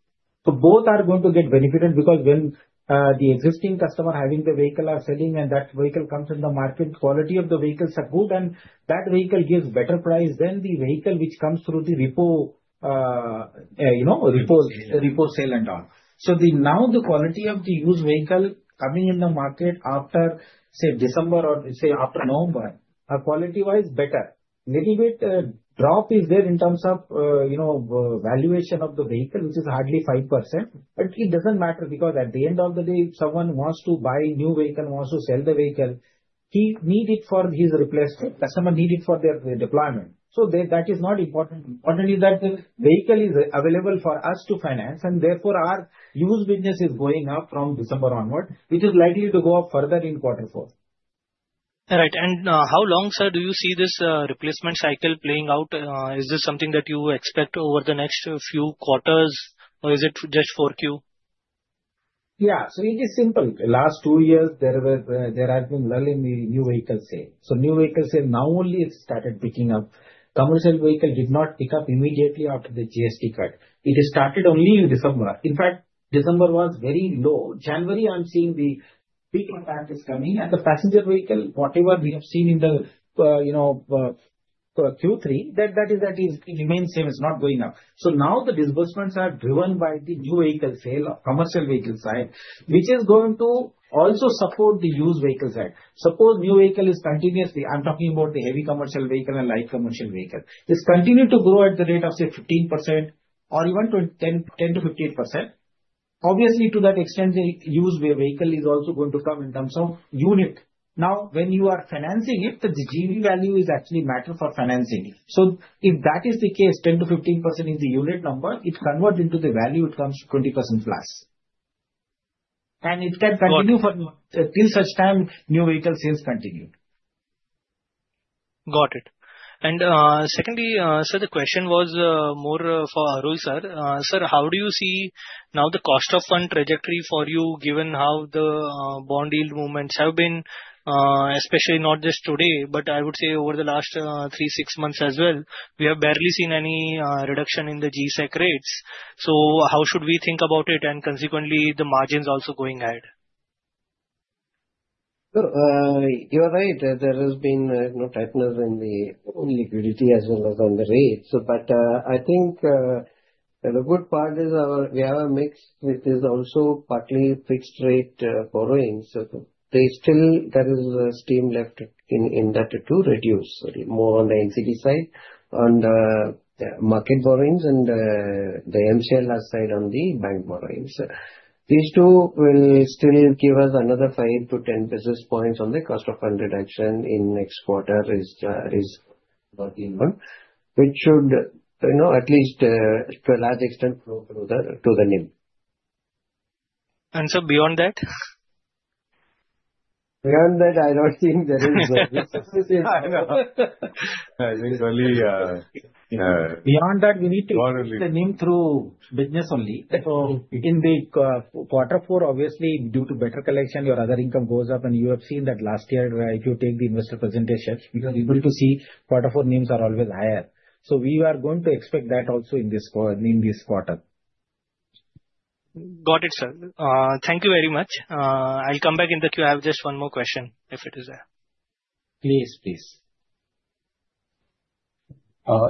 So both are going to get benefited because when the existing customer having the vehicle are selling, and that vehicle comes in the market, quality of the vehicles are good, and that vehicle gives better price than the vehicle which comes through the repo, you know, repo, repo sale and all. So the, now the quality of the used vehicle coming in the market after, say, December or, say, after November, are quality-wise, better. Little bit, drop is there in terms of, you know, valuation of the vehicle, which is hardly 5%, but it doesn't matter, because at the end of the day, if someone wants to buy a new vehicle, wants to sell the vehicle, he need it for his replacement, customer need it for their, their deployment. So that, that is not important. Important is that the vehicle is available for us to finance, and therefore, our used business is going up from December onward, which is likely to go up further in quarter four. All right. And, how long, sir, do you see this, replacement cycle playing out? Is this something that you expect over the next few quarters, or is it just 4Q? Yeah. So it is simple. Last two years, there were, there has been lull in the new vehicle sale. So new vehicle sale, now only it started picking up. Commercial vehicle did not pick up immediately after the GST cut. It has started only in December. In fact, December was very low. January, I'm seeing the peak demand is coming, and the passenger vehicle, whatever we have seen in the, you know, Q3, that is, it remains same, it's not going up. So now the disbursements are driven by the new vehicle sale or commercial vehicle side, which is going to also support the used vehicle side. Suppose new vehicle is continuously, I'm talking about the heavy commercial vehicle and light commercial vehicle, it's continued to grow at the rate of, say, 15% or even 20%, 10%-15%. Obviously, to that extent, the used vehicle is also going to come in terms of unit. Now, when you are financing it, the GV value is actually matter for financing. So if that is the case, 10%-15% is the unit number, it convert into the value, it comes to 20%+. And it can continue for- Got it. till such time, new vehicle sales continue. Got it. And, secondly, sir, the question was, more for Arul sir. Sir, how do you see now the cost of fund trajectory for you, given how the, bond yield movements have been, especially not just today, but I would say over the last, 3-six months as well? We have barely seen any, reduction in the GSEC rates. So how should we think about it, and consequently, the margins also going ahead? So, you are right. There has been no tightness in liquidity as well as on the rates. But I think the good part is we have a mix, which is also partly fixed rate borrowings. So there's still steam left in that to reduce more on the NCD side, on the market borrowings and the MCLR side on the bank borrowings. These two will still give us another 5 basis points-10 basis points on the cost of fund reduction in next quarter is working one. It should, you know, at least to a large extent, flow through to the NIM. And sir, beyond that? Beyond that, I don't think there is. I know. I think only. Beyond that, we need to- Not really. the NIM through business only. So in the quarter four, obviously, due to better collection, your other income goes up, and you have seen that last year, where if you take the investor presentations, you are able to see quarter four NIMs are always higher. So we are going to expect that also in this quar- in this quarter. Got it, sir. Thank you very much. I'll come back in the queue. I have just one more question, if it is there. Please, please.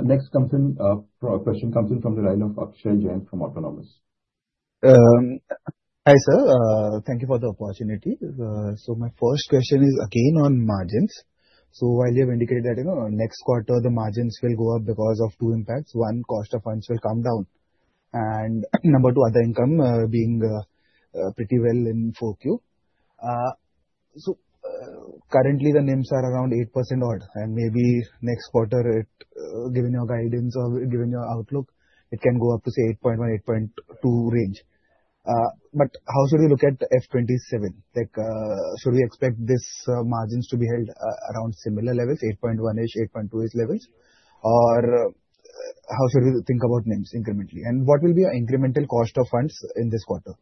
Next question comes in from the line of Akshay Jain from Autonomous. Hi, sir, thank you for the opportunity. So my first question is again on margins. So while you have indicated that, you know, next quarter, the margins will go up because of two impacts: one, cost of funds will come down, and, number two, other income, being, pretty well in 4Q. Currently, the NIMs are around 8% odd, and maybe next quarter, it, given your guidance or given your outlook, it can go up to, say, 8.1-8.2 range. But how should we look at FY 2027? Like, should we expect these, margins to be held, around similar levels, 8.1-ish-8.2-ish levels? Or, how should we think about NIMs incrementally, and what will be your incremental cost of funds in this quarter?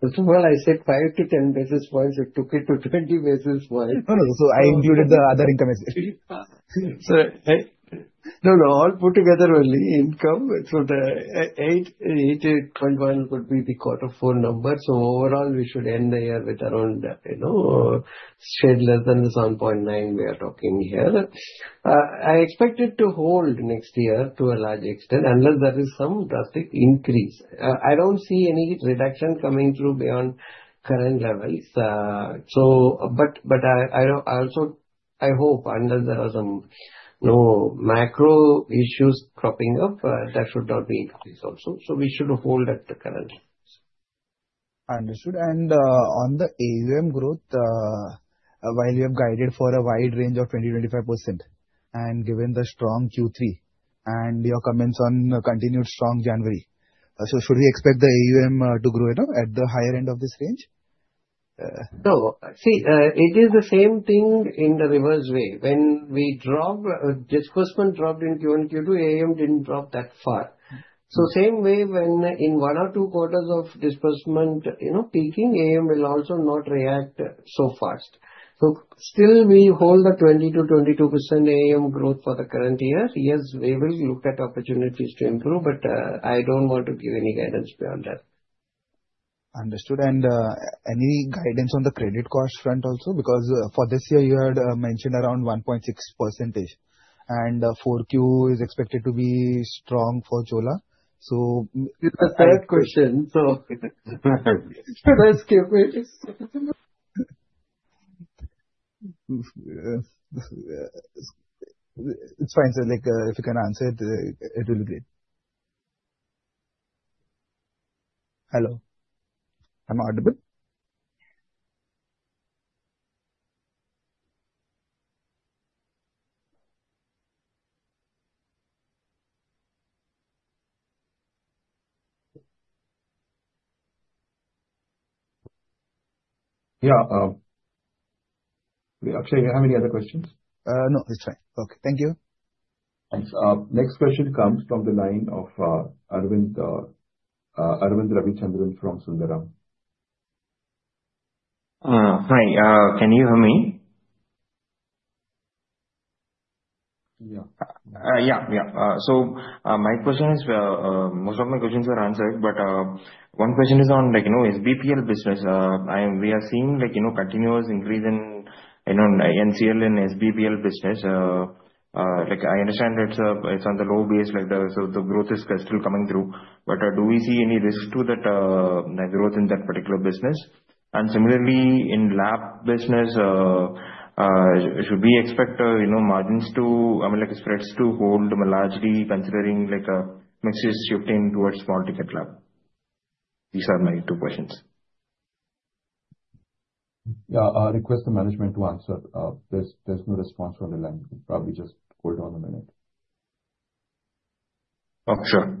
Well, I said 5 basis points-10 basis points, you took it to 20 basis point. No, no, so I included the other income as well. So, no, no, all put together only, income. So the 8.81 could be the quarter four number, so overall we should end the year with around, you know, slightly less than the 7.9 we are talking here. I expect it to hold next year to a large extent, unless there is some drastic increase. I don't see any reduction coming through beyond current levels. So but, I also hope unless there are some, you know, macro issues cropping up, that should not be increased also. So we should hold at the current levels. Understood. And, on the AUM growth, while you have guided for a wide range of 20%-25%, and given the strong Q3 and your comments on continued strong January, so should we expect the AUM to grow, you know, at the higher end of this range? No. See, it is the same thing in the reverse way. When we drop, disbursement dropped in Q1, Q2, AUM didn't drop that far. So same way, when in one or two quarters of disbursement, you know, peaking, AUM will also not react so fast. So still we hold the 20%-22% AUM growth for the current year. Yes, we will look at opportunities to improve, but, I don't want to give any guidance beyond that. Understood. Any guidance on the credit cost front also? Because for this year, you had mentioned around 1.6%, and 4Q is expected to be strong for Chola, so- It's a fair question, so should I skip it? It's fine, sir. Like, if you can answer it, it will be great. Hello? Am I audible? Yeah, we actually, you have any other questions? No, it's fine. Okay, thank you. Thanks. Next question comes from the line of Arvind Ravichandran from Sundaram. Hi, can you hear me? Yeah. Yeah, yeah. So, my question is, most of my questions are answered, but, one question is on, like, you know, SBPL business. We are seeing like, you know, continuous increase in, you know, NCL and SBPL business. Like, I understand that it's, it's on the low base, like, so the growth is still coming through, but, do we see any risk to that, net growth in that particular business? And similarly, in LAP business, should we expect, you know, margins to... I mean, like, spreads to hold largely considering, like, mix is shifting towards small ticket LAP? These are my two questions. Yeah, I'll request the management to answer. There's no response on the line. Probably just hold on a minute. Oh, sure.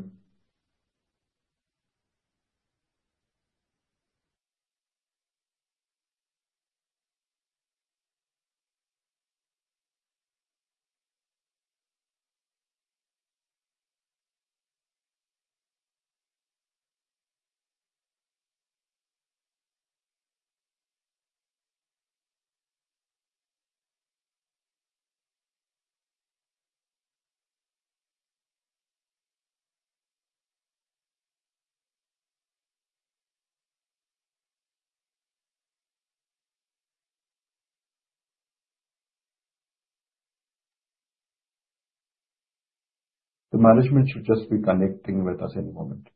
The management should just be connecting with us any moment.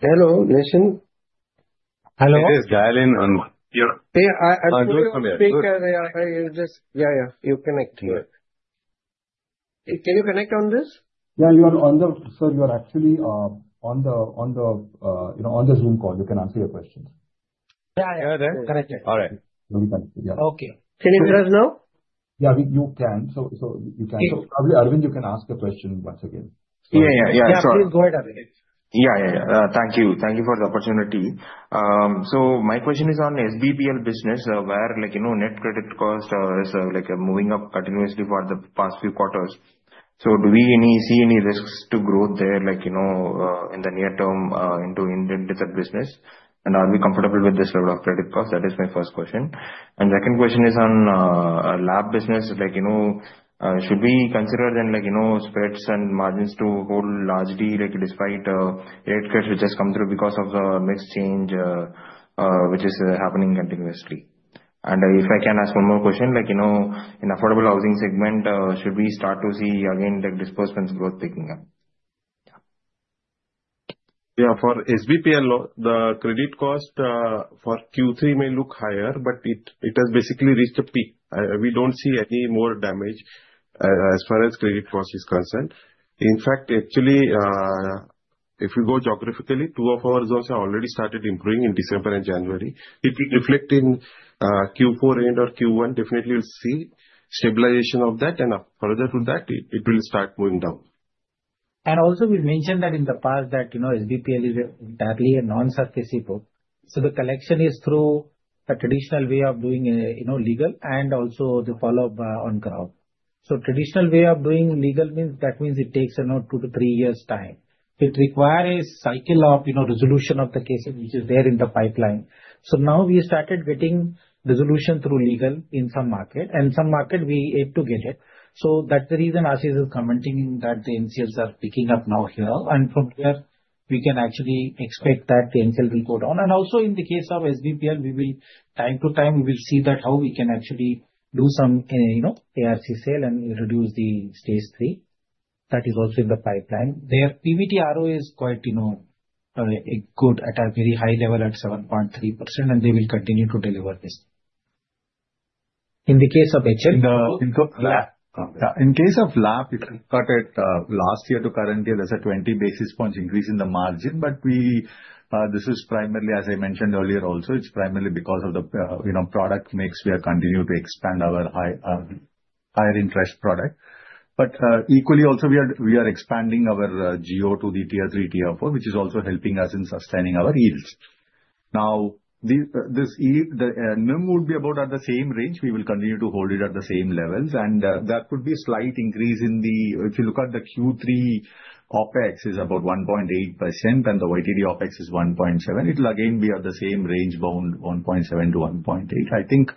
Hello, Nischint? Hello. This is dial-in on my, your- Yeah, Go ahead. Yeah, I will just. Yeah, yeah, you connect, you are. Can you connect on this? Yeah, you are on the. Sir, you are actually on the, you know, on the Zoom call. You can ask your questions. Yeah, I hear that. Connect it. All right. You can, yeah. Okay. Can you hear us now? Yeah, you can. So, you can. Yeah. Probably, Arvind, you can ask the question once again. Yeah, yeah, yeah, sure. Yeah, please go ahead, Arvind. Yeah, yeah, thank you. Thank you for the opportunity. So my question is on SBPL business, where, like, you know, net credit cost is like moving up continuously for the past few quarters. So do we see any risks to growth there, like, you know, in the near term into that business? And are we comfortable with this level of credit cost? That is my first question. And second question is on LAP business. Like, you know, should we consider then, like, you know, spreads and margins to hold largely like despite rate cuts which has come through because of the mix change which is happening continuously? And if I can ask one more question, like, you know, in affordable housing segment, should we start to see again like disbursements growth picking up? Yeah, for SBPL, the credit cost, for Q3 may look higher, but it, it has basically reached a peak. We don't see any more damage, as far as credit cost is concerned. In fact, actually, if you go geographically, two of our zones have already started improving in December and January. It will reflect in, Q4 end or Q1, definitely you'll see stabilization of that, and up further to that, it, it will start going down. Also, we mentioned that in the past that, you know, SBPL is entirely a non-SARFAESI book. The collection is through a traditional way of doing, you know, legal and also the follow-up on ground. Traditional way of doing legal means that means it takes another 2-3 years time. It require a cycle of, you know, resolution of the cases which is there in the pipeline. Now we started getting resolution through legal in some market, and some market we yet to get it. That's the reason Ashish is commenting that the NCLs are picking up now here, and from here we can actually expect that the NCL will go down. And also, in the case of SBPL, we will, time to time, we will see that how we can actually do some, you know, ARC sale and reduce the Stage 3. That is also in the pipeline. Their PBT ROE is quite, you know, it could at a very high level, at 7.3%, and they will continue to deliver this. In the case of HLL- In case of LAP, if you look at last year to current year, there's a 20 basis points increase in the margin. But this is primarily, as I mentioned earlier also, it's primarily because of the, you know, product mix. We are continuing to expand our high, higher interest product. But equally also, we are expanding our geo to the Tier 3, Tier 4, which is also helping us in sustaining our yields. Now, the NIM will be about at the same range. We will continue to hold it at the same levels, and that could be slight increase in the. If you look at the Q3, OpEx is about 1.8%, and the YTD OpEx is 1.7%. It will again be at the same range bound, 1.7-1.8. I think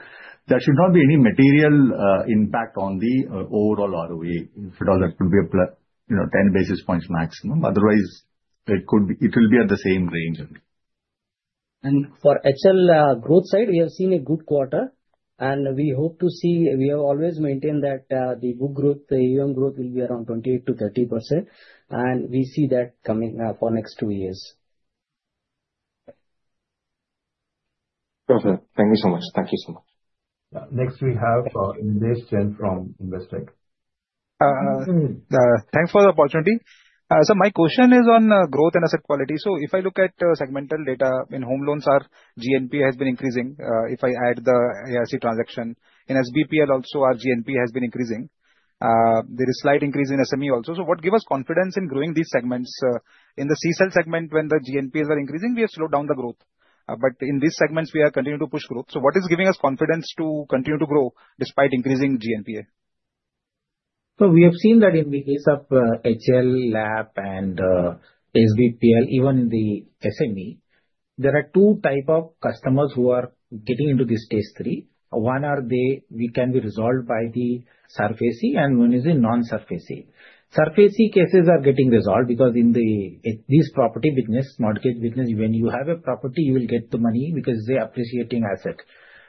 there should not be any material impact on the overall ROE. If at all, that could be a plus, you know, 10 basis points maximum. Otherwise, it will be at the same range only. For HLL, growth side, we have seen a good quarter, and we hope to see, we have always maintained that, the book growth, the AUM growth will be around 28%-30%, and we see that coming, for next two years. Okay. Thank you so much. Thank you so much. Next, we have Nidesh Jain from Investec. Thanks for the opportunity. So my question is on growth and asset quality. So if I look at segmental data in home loans, our GNPA has been increasing. If I add the ARC transaction, in SBPL also, our GNPA has been increasing. There is slight increase in SME also. So what give us confidence in growing these segments? In the CSEL segment, when the GNPAs are increasing, we have slowed down the growth, but in these segments we are continuing to push growth. So what is giving us confidence to continue to grow despite increasing GNPA? So we have seen that in the case of HLL, LAP, and SBPL, even the SME, there are two types of customers who are getting into this Stage 3. One are they who can be resolved by the SARFAESI, and one is a non-SARFAESI. SARFAESI cases are getting resolved because in the, in this property business, mortgage business, when you have a property, you will get the money because they're appreciating asset.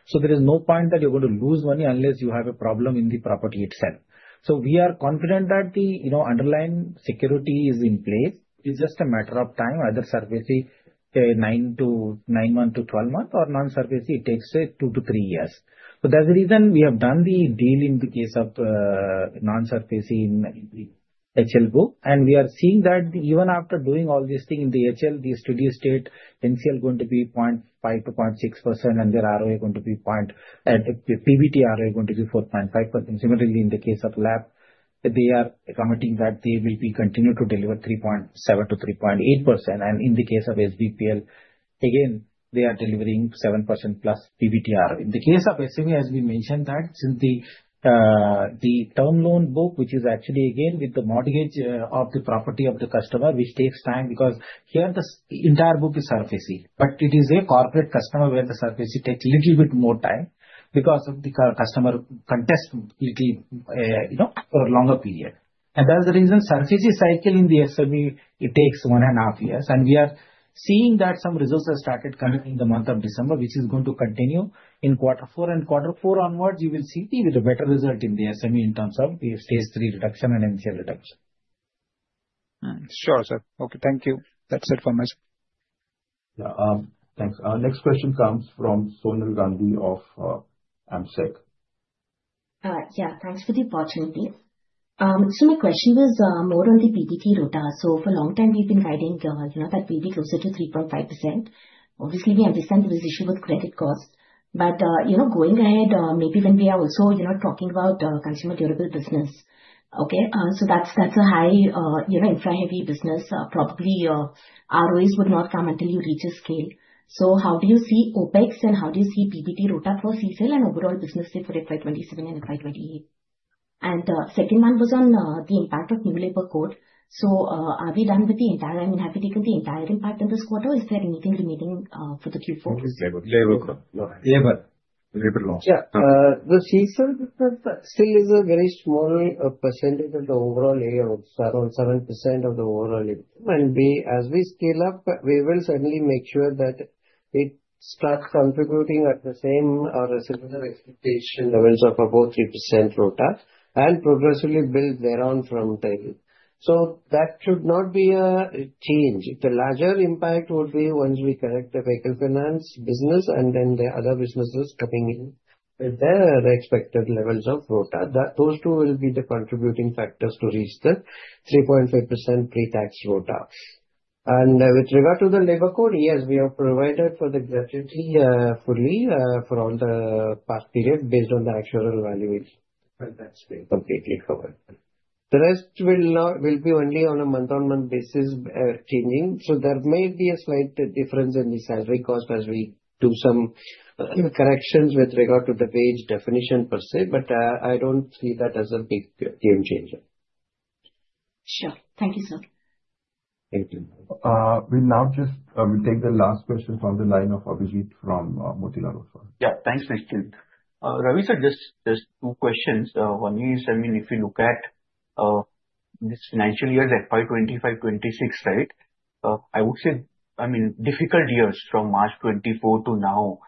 So there is no point that you're going to lose money unless you have a problem in the property itself. So we are confident that the, you know, underlying security is in place. It's just a matter of time, either SARFAESI, nine-month to 12-month, or non-SARFAESI, it takes two to three years. So that's the reason we have done the deal in the case of, non-SARFAESI in the HLL book. And we are seeing that even after doing all these things in the HLL, the steady state NCL going to be 0.5%-0.6%, and their ROE going to be point. the PBT ROE is going to be 4.5%. Similarly, in the case of LAP, they are commenting that they will be continue to deliver 3.7%-3.8%. And in the case of SBPL, again, they are delivering 7%+ PBT ROE. In the case of SME, as we mentioned that since the, the term loan book, which is actually again with the mortgage, of the property of the customer, which takes time because here the entire book is SARFAESI, but it is a corporate customer where the SARFAESI takes little bit more time because of the customer context completely, you know, for a longer period. And that's the reason SARFAESI cycle in the SME, it takes one and a half years, and we are seeing that some resources started coming in the month of December, which is going to continue in quarter four, and quarter four onwards, you will see a little better result in the SME in terms of the Stage 3 reduction and NCL reduction. Sure, sir. Okay, thank you. That's it from us. Yeah, thanks. Our next question comes from Sonal Gandhi of AMSEC. Yeah, thanks for the opportunity. So my question was more on the PBT ROTA. So for a long time we've been guiding, you know, that we'll be closer to 3.5%. Obviously, we understand there's issue with credit cost, but, you know, going ahead, maybe when we are also, you know, talking about consumer durable business, okay? So that's, that's a high, you know, infra-heavy business. Probably, ROEs would not come until you reach a scale. So how do you see OpEx, and how do you see PBT ROTA for CSEL and overall business say for FY 2027 and FY 2028? And, second one was on the impact of New Labour Code. So, are we done with the entire. I mean, have you taken the entire impact in this quarter, or is there anything remaining, for the Q4? Okay. They will, they will. Yeah, but- They will launch. Yeah, the CSEL still is a very small percentage of the overall AUM, around 7% of the overall AUM. And as we scale up, we will certainly make sure that it starts contributing at the same or a similar expectation levels of about 3% ROTA, and progressively build thereon from there. So that should not be a change. The larger impact would be once we connect the vehicle finance business and then the other businesses coming in with their expected levels of ROTA. That, those two will be the contributing factors to reach the 3.5% pre-tax ROTA. And, with regard to the labor code, yes, we have provided for the gratuity fully, for all the past period based on the actual evaluation, and that's been completely covered. The rest will be only on a month-on-month basis, changing, so there may be a slight difference in the salary cost as we do some corrections with regard to the wage definition per se, but I don't see that as a big game changer. Sure. Thank you, sir. Thank you. We'll now just take the last question from the line of Abhijit from Motilal Oswal. Yeah. Thanks, Nischint. Ravi, sir, just two questions. One is, I mean, if you look at this financial year, like, by 2025, 2026, right? I would say, I mean, difficult years from March 2024 to now,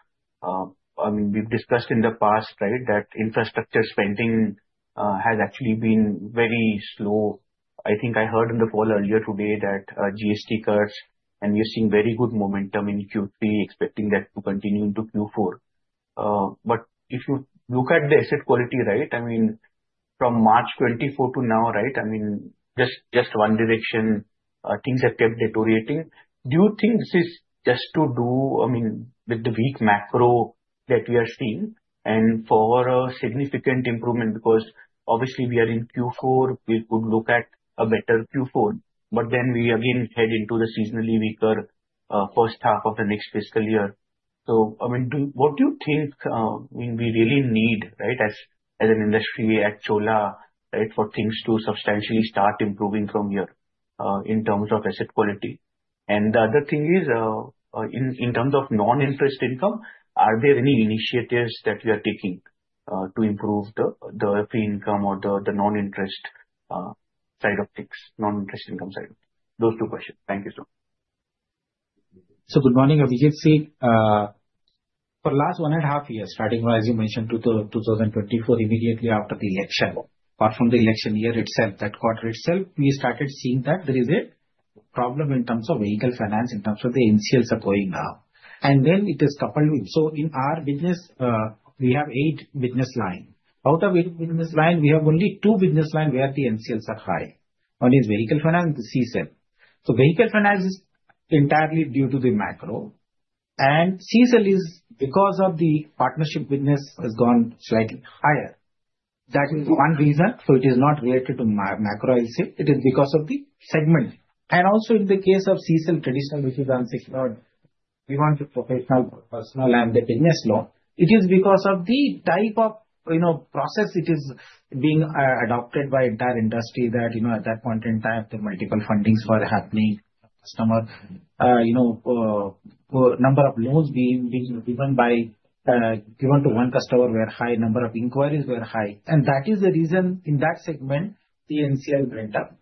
I mean, we've discussed in the past, right, that infrastructure spending has actually been very slow. I think I heard in the call earlier today that GST cuts, and you're seeing very good momentum in Q3, expecting that to continue into Q4. But if you look at the asset quality, right, I mean, from March 2024 to now, right, I mean, just one direction, things have kept deteriorating. Do you think this is just to do, I mean, with the weak macro that we are seeing, and for a significant improvement, because obviously, we are in Q4, we could look at a better Q4, but then we again head into the seasonally weaker first half of the next fiscal year. So, I mean, what do you think we really need, right, as an industry, we at Chola, right, for things to substantially start improving from here, in terms of asset quality? And the other thing is, in terms of non-interest income, are there any initiatives that we are taking to improve the fee income or the non-interest side of things, non-interest income side? Those two questions. Thank you, sir. So good morning, Abhijit. For the last one and a half years, starting, as you mentioned, 2024, immediately after the election, apart from the election year itself, that quarter itself, we started seeing that there is a problem in terms of vehicle finance, in terms of the NCLs are going up. And then it is coupled with. So in our business, we have eight business lines. Out of eight business lines, we have only two business lines where the NCLs are high. One is vehicle finance, the CSEL. So vehicle finance is entirely due to the macro, and CSEL is because of the partnership business has gone slightly higher. That is one reason, so it is not related to macro, I will say, it is because of the segment. And also in the case of CSEL traditional, which is INR 6 crore, we want to professional, personal and the business loan. It is because of the type of, you know, process which is being adopted by entire industry that, you know, at that point in time, the multiple fundings were happening. Customer, you know, for number of loans being given to one customer were high, number of inquiries were high. And that is the reason, in that segment, the NCL went up,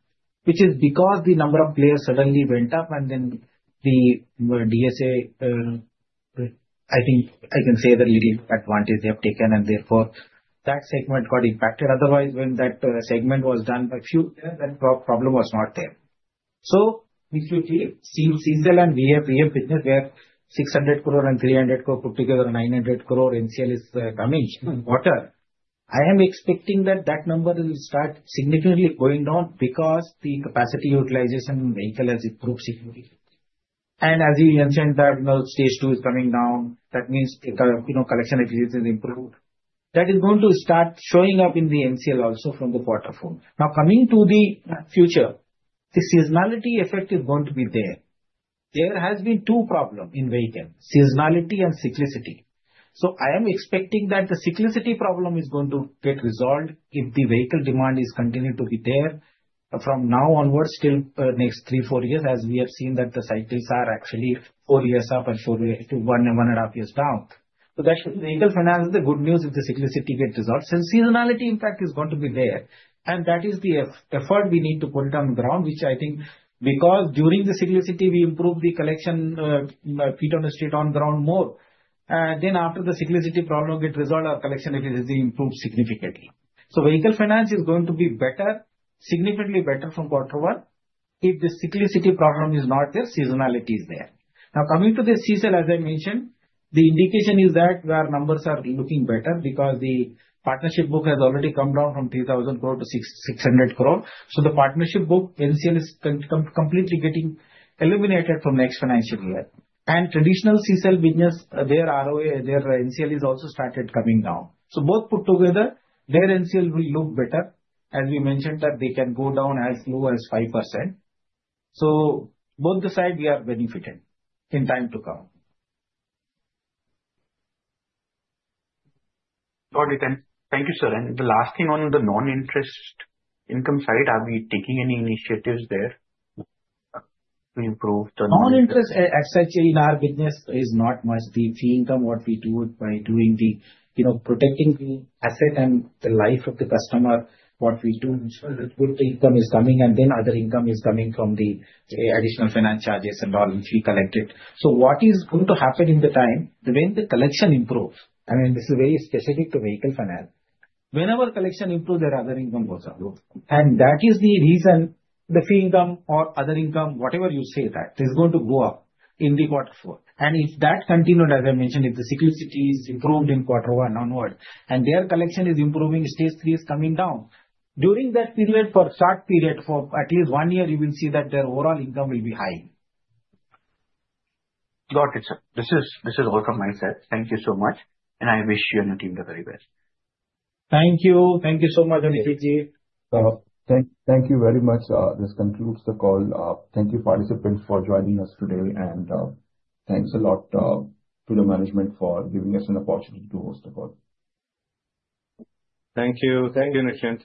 which is because the number of players suddenly went up, and then the DSA, I think I can say that illegal advantage they have taken, and therefore that segment got impacted. Otherwise, when that segment was done by few, then problem was not there. So if you see CSEL and we have, we have business where 600 crore and 300 crore, put together 900 crore NCL is coming in quarter. I am expecting that, that number will start significantly going down because the capacity utilization in vehicle has improved significantly. And as you mentioned, that now Stage 2 is coming down, that means the, you know, collection efficiency has improved. That is going to start showing up in the NCL also from the quarter four. Now, coming to the, future, the seasonality effect is going to be there. There has been two problem in vehicle, seasonality and cyclicity. So I am expecting that the cyclicality problem is going to get resolved if the vehicle demand is continued to be there from now onwards, till next 3-4 years, as we have seen that the cycles are actually four years up and four years to 1, 1.5 years down. So that should, vehicle finance, the good news, if the cyclicality gets resolved, and seasonality impact is going to be there, and that is the effort we need to put it on the ground, which I think because during the cyclicality, we improve the collection, feet on the street, on the ground more. Then after the cyclicality problem get resolved, our collection efficiency improves significantly. So vehicle finance is going to be better, significantly better from quarter one. If the cyclicality problem is not there, seasonality is there. Now, coming to the CSEL, as I mentioned, the indication is that their numbers are looking better because the partnership book has already come down from 3,000 crore to 6,600 crore. So the partnership book, NCL, is completely getting eliminated from next financial year. And traditional CSEL business, their ROA, their NCL, is also started coming down. So both put together, their NCL will look better. As we mentioned that they can go down as low as 5%. So both the side, we are benefited in time to come. Got it. Thank, thank you, sir. And the last thing on the non-interest income side, are we taking any initiatives there to improve the- Non-interest, as such in our business, is not much the fee income. What we do it by doing the, you know, protecting the asset and the life of the customer. What we do ensure that good income is coming, and then other income is coming from the additional finance charges and all which we collected. So what is going to happen in the time, when the collection improves, I mean, this is very specific to vehicle finance. Whenever collection improve, their other income also grows, and that is the reason the fee income or other income, whatever you say that, is going to go up in the quarter four. And if that continued, as I mentioned, if the cyclicity is improved in quarter one onward, and their collection is improving, Stage 3 is coming down. During that period, for short period, for at least one year, you will see that their overall income will be high. Got it, sir. This is, this is all from my side. Thank you so much, and I wish you and your team the very best. Thank you. Thank you so much, Abhijit. Thank you very much. This concludes the call. Thank you, participants, for joining us today, and thanks a lot to the management for giving us an opportunity to host the call. Thank you. Thank you, Nischint.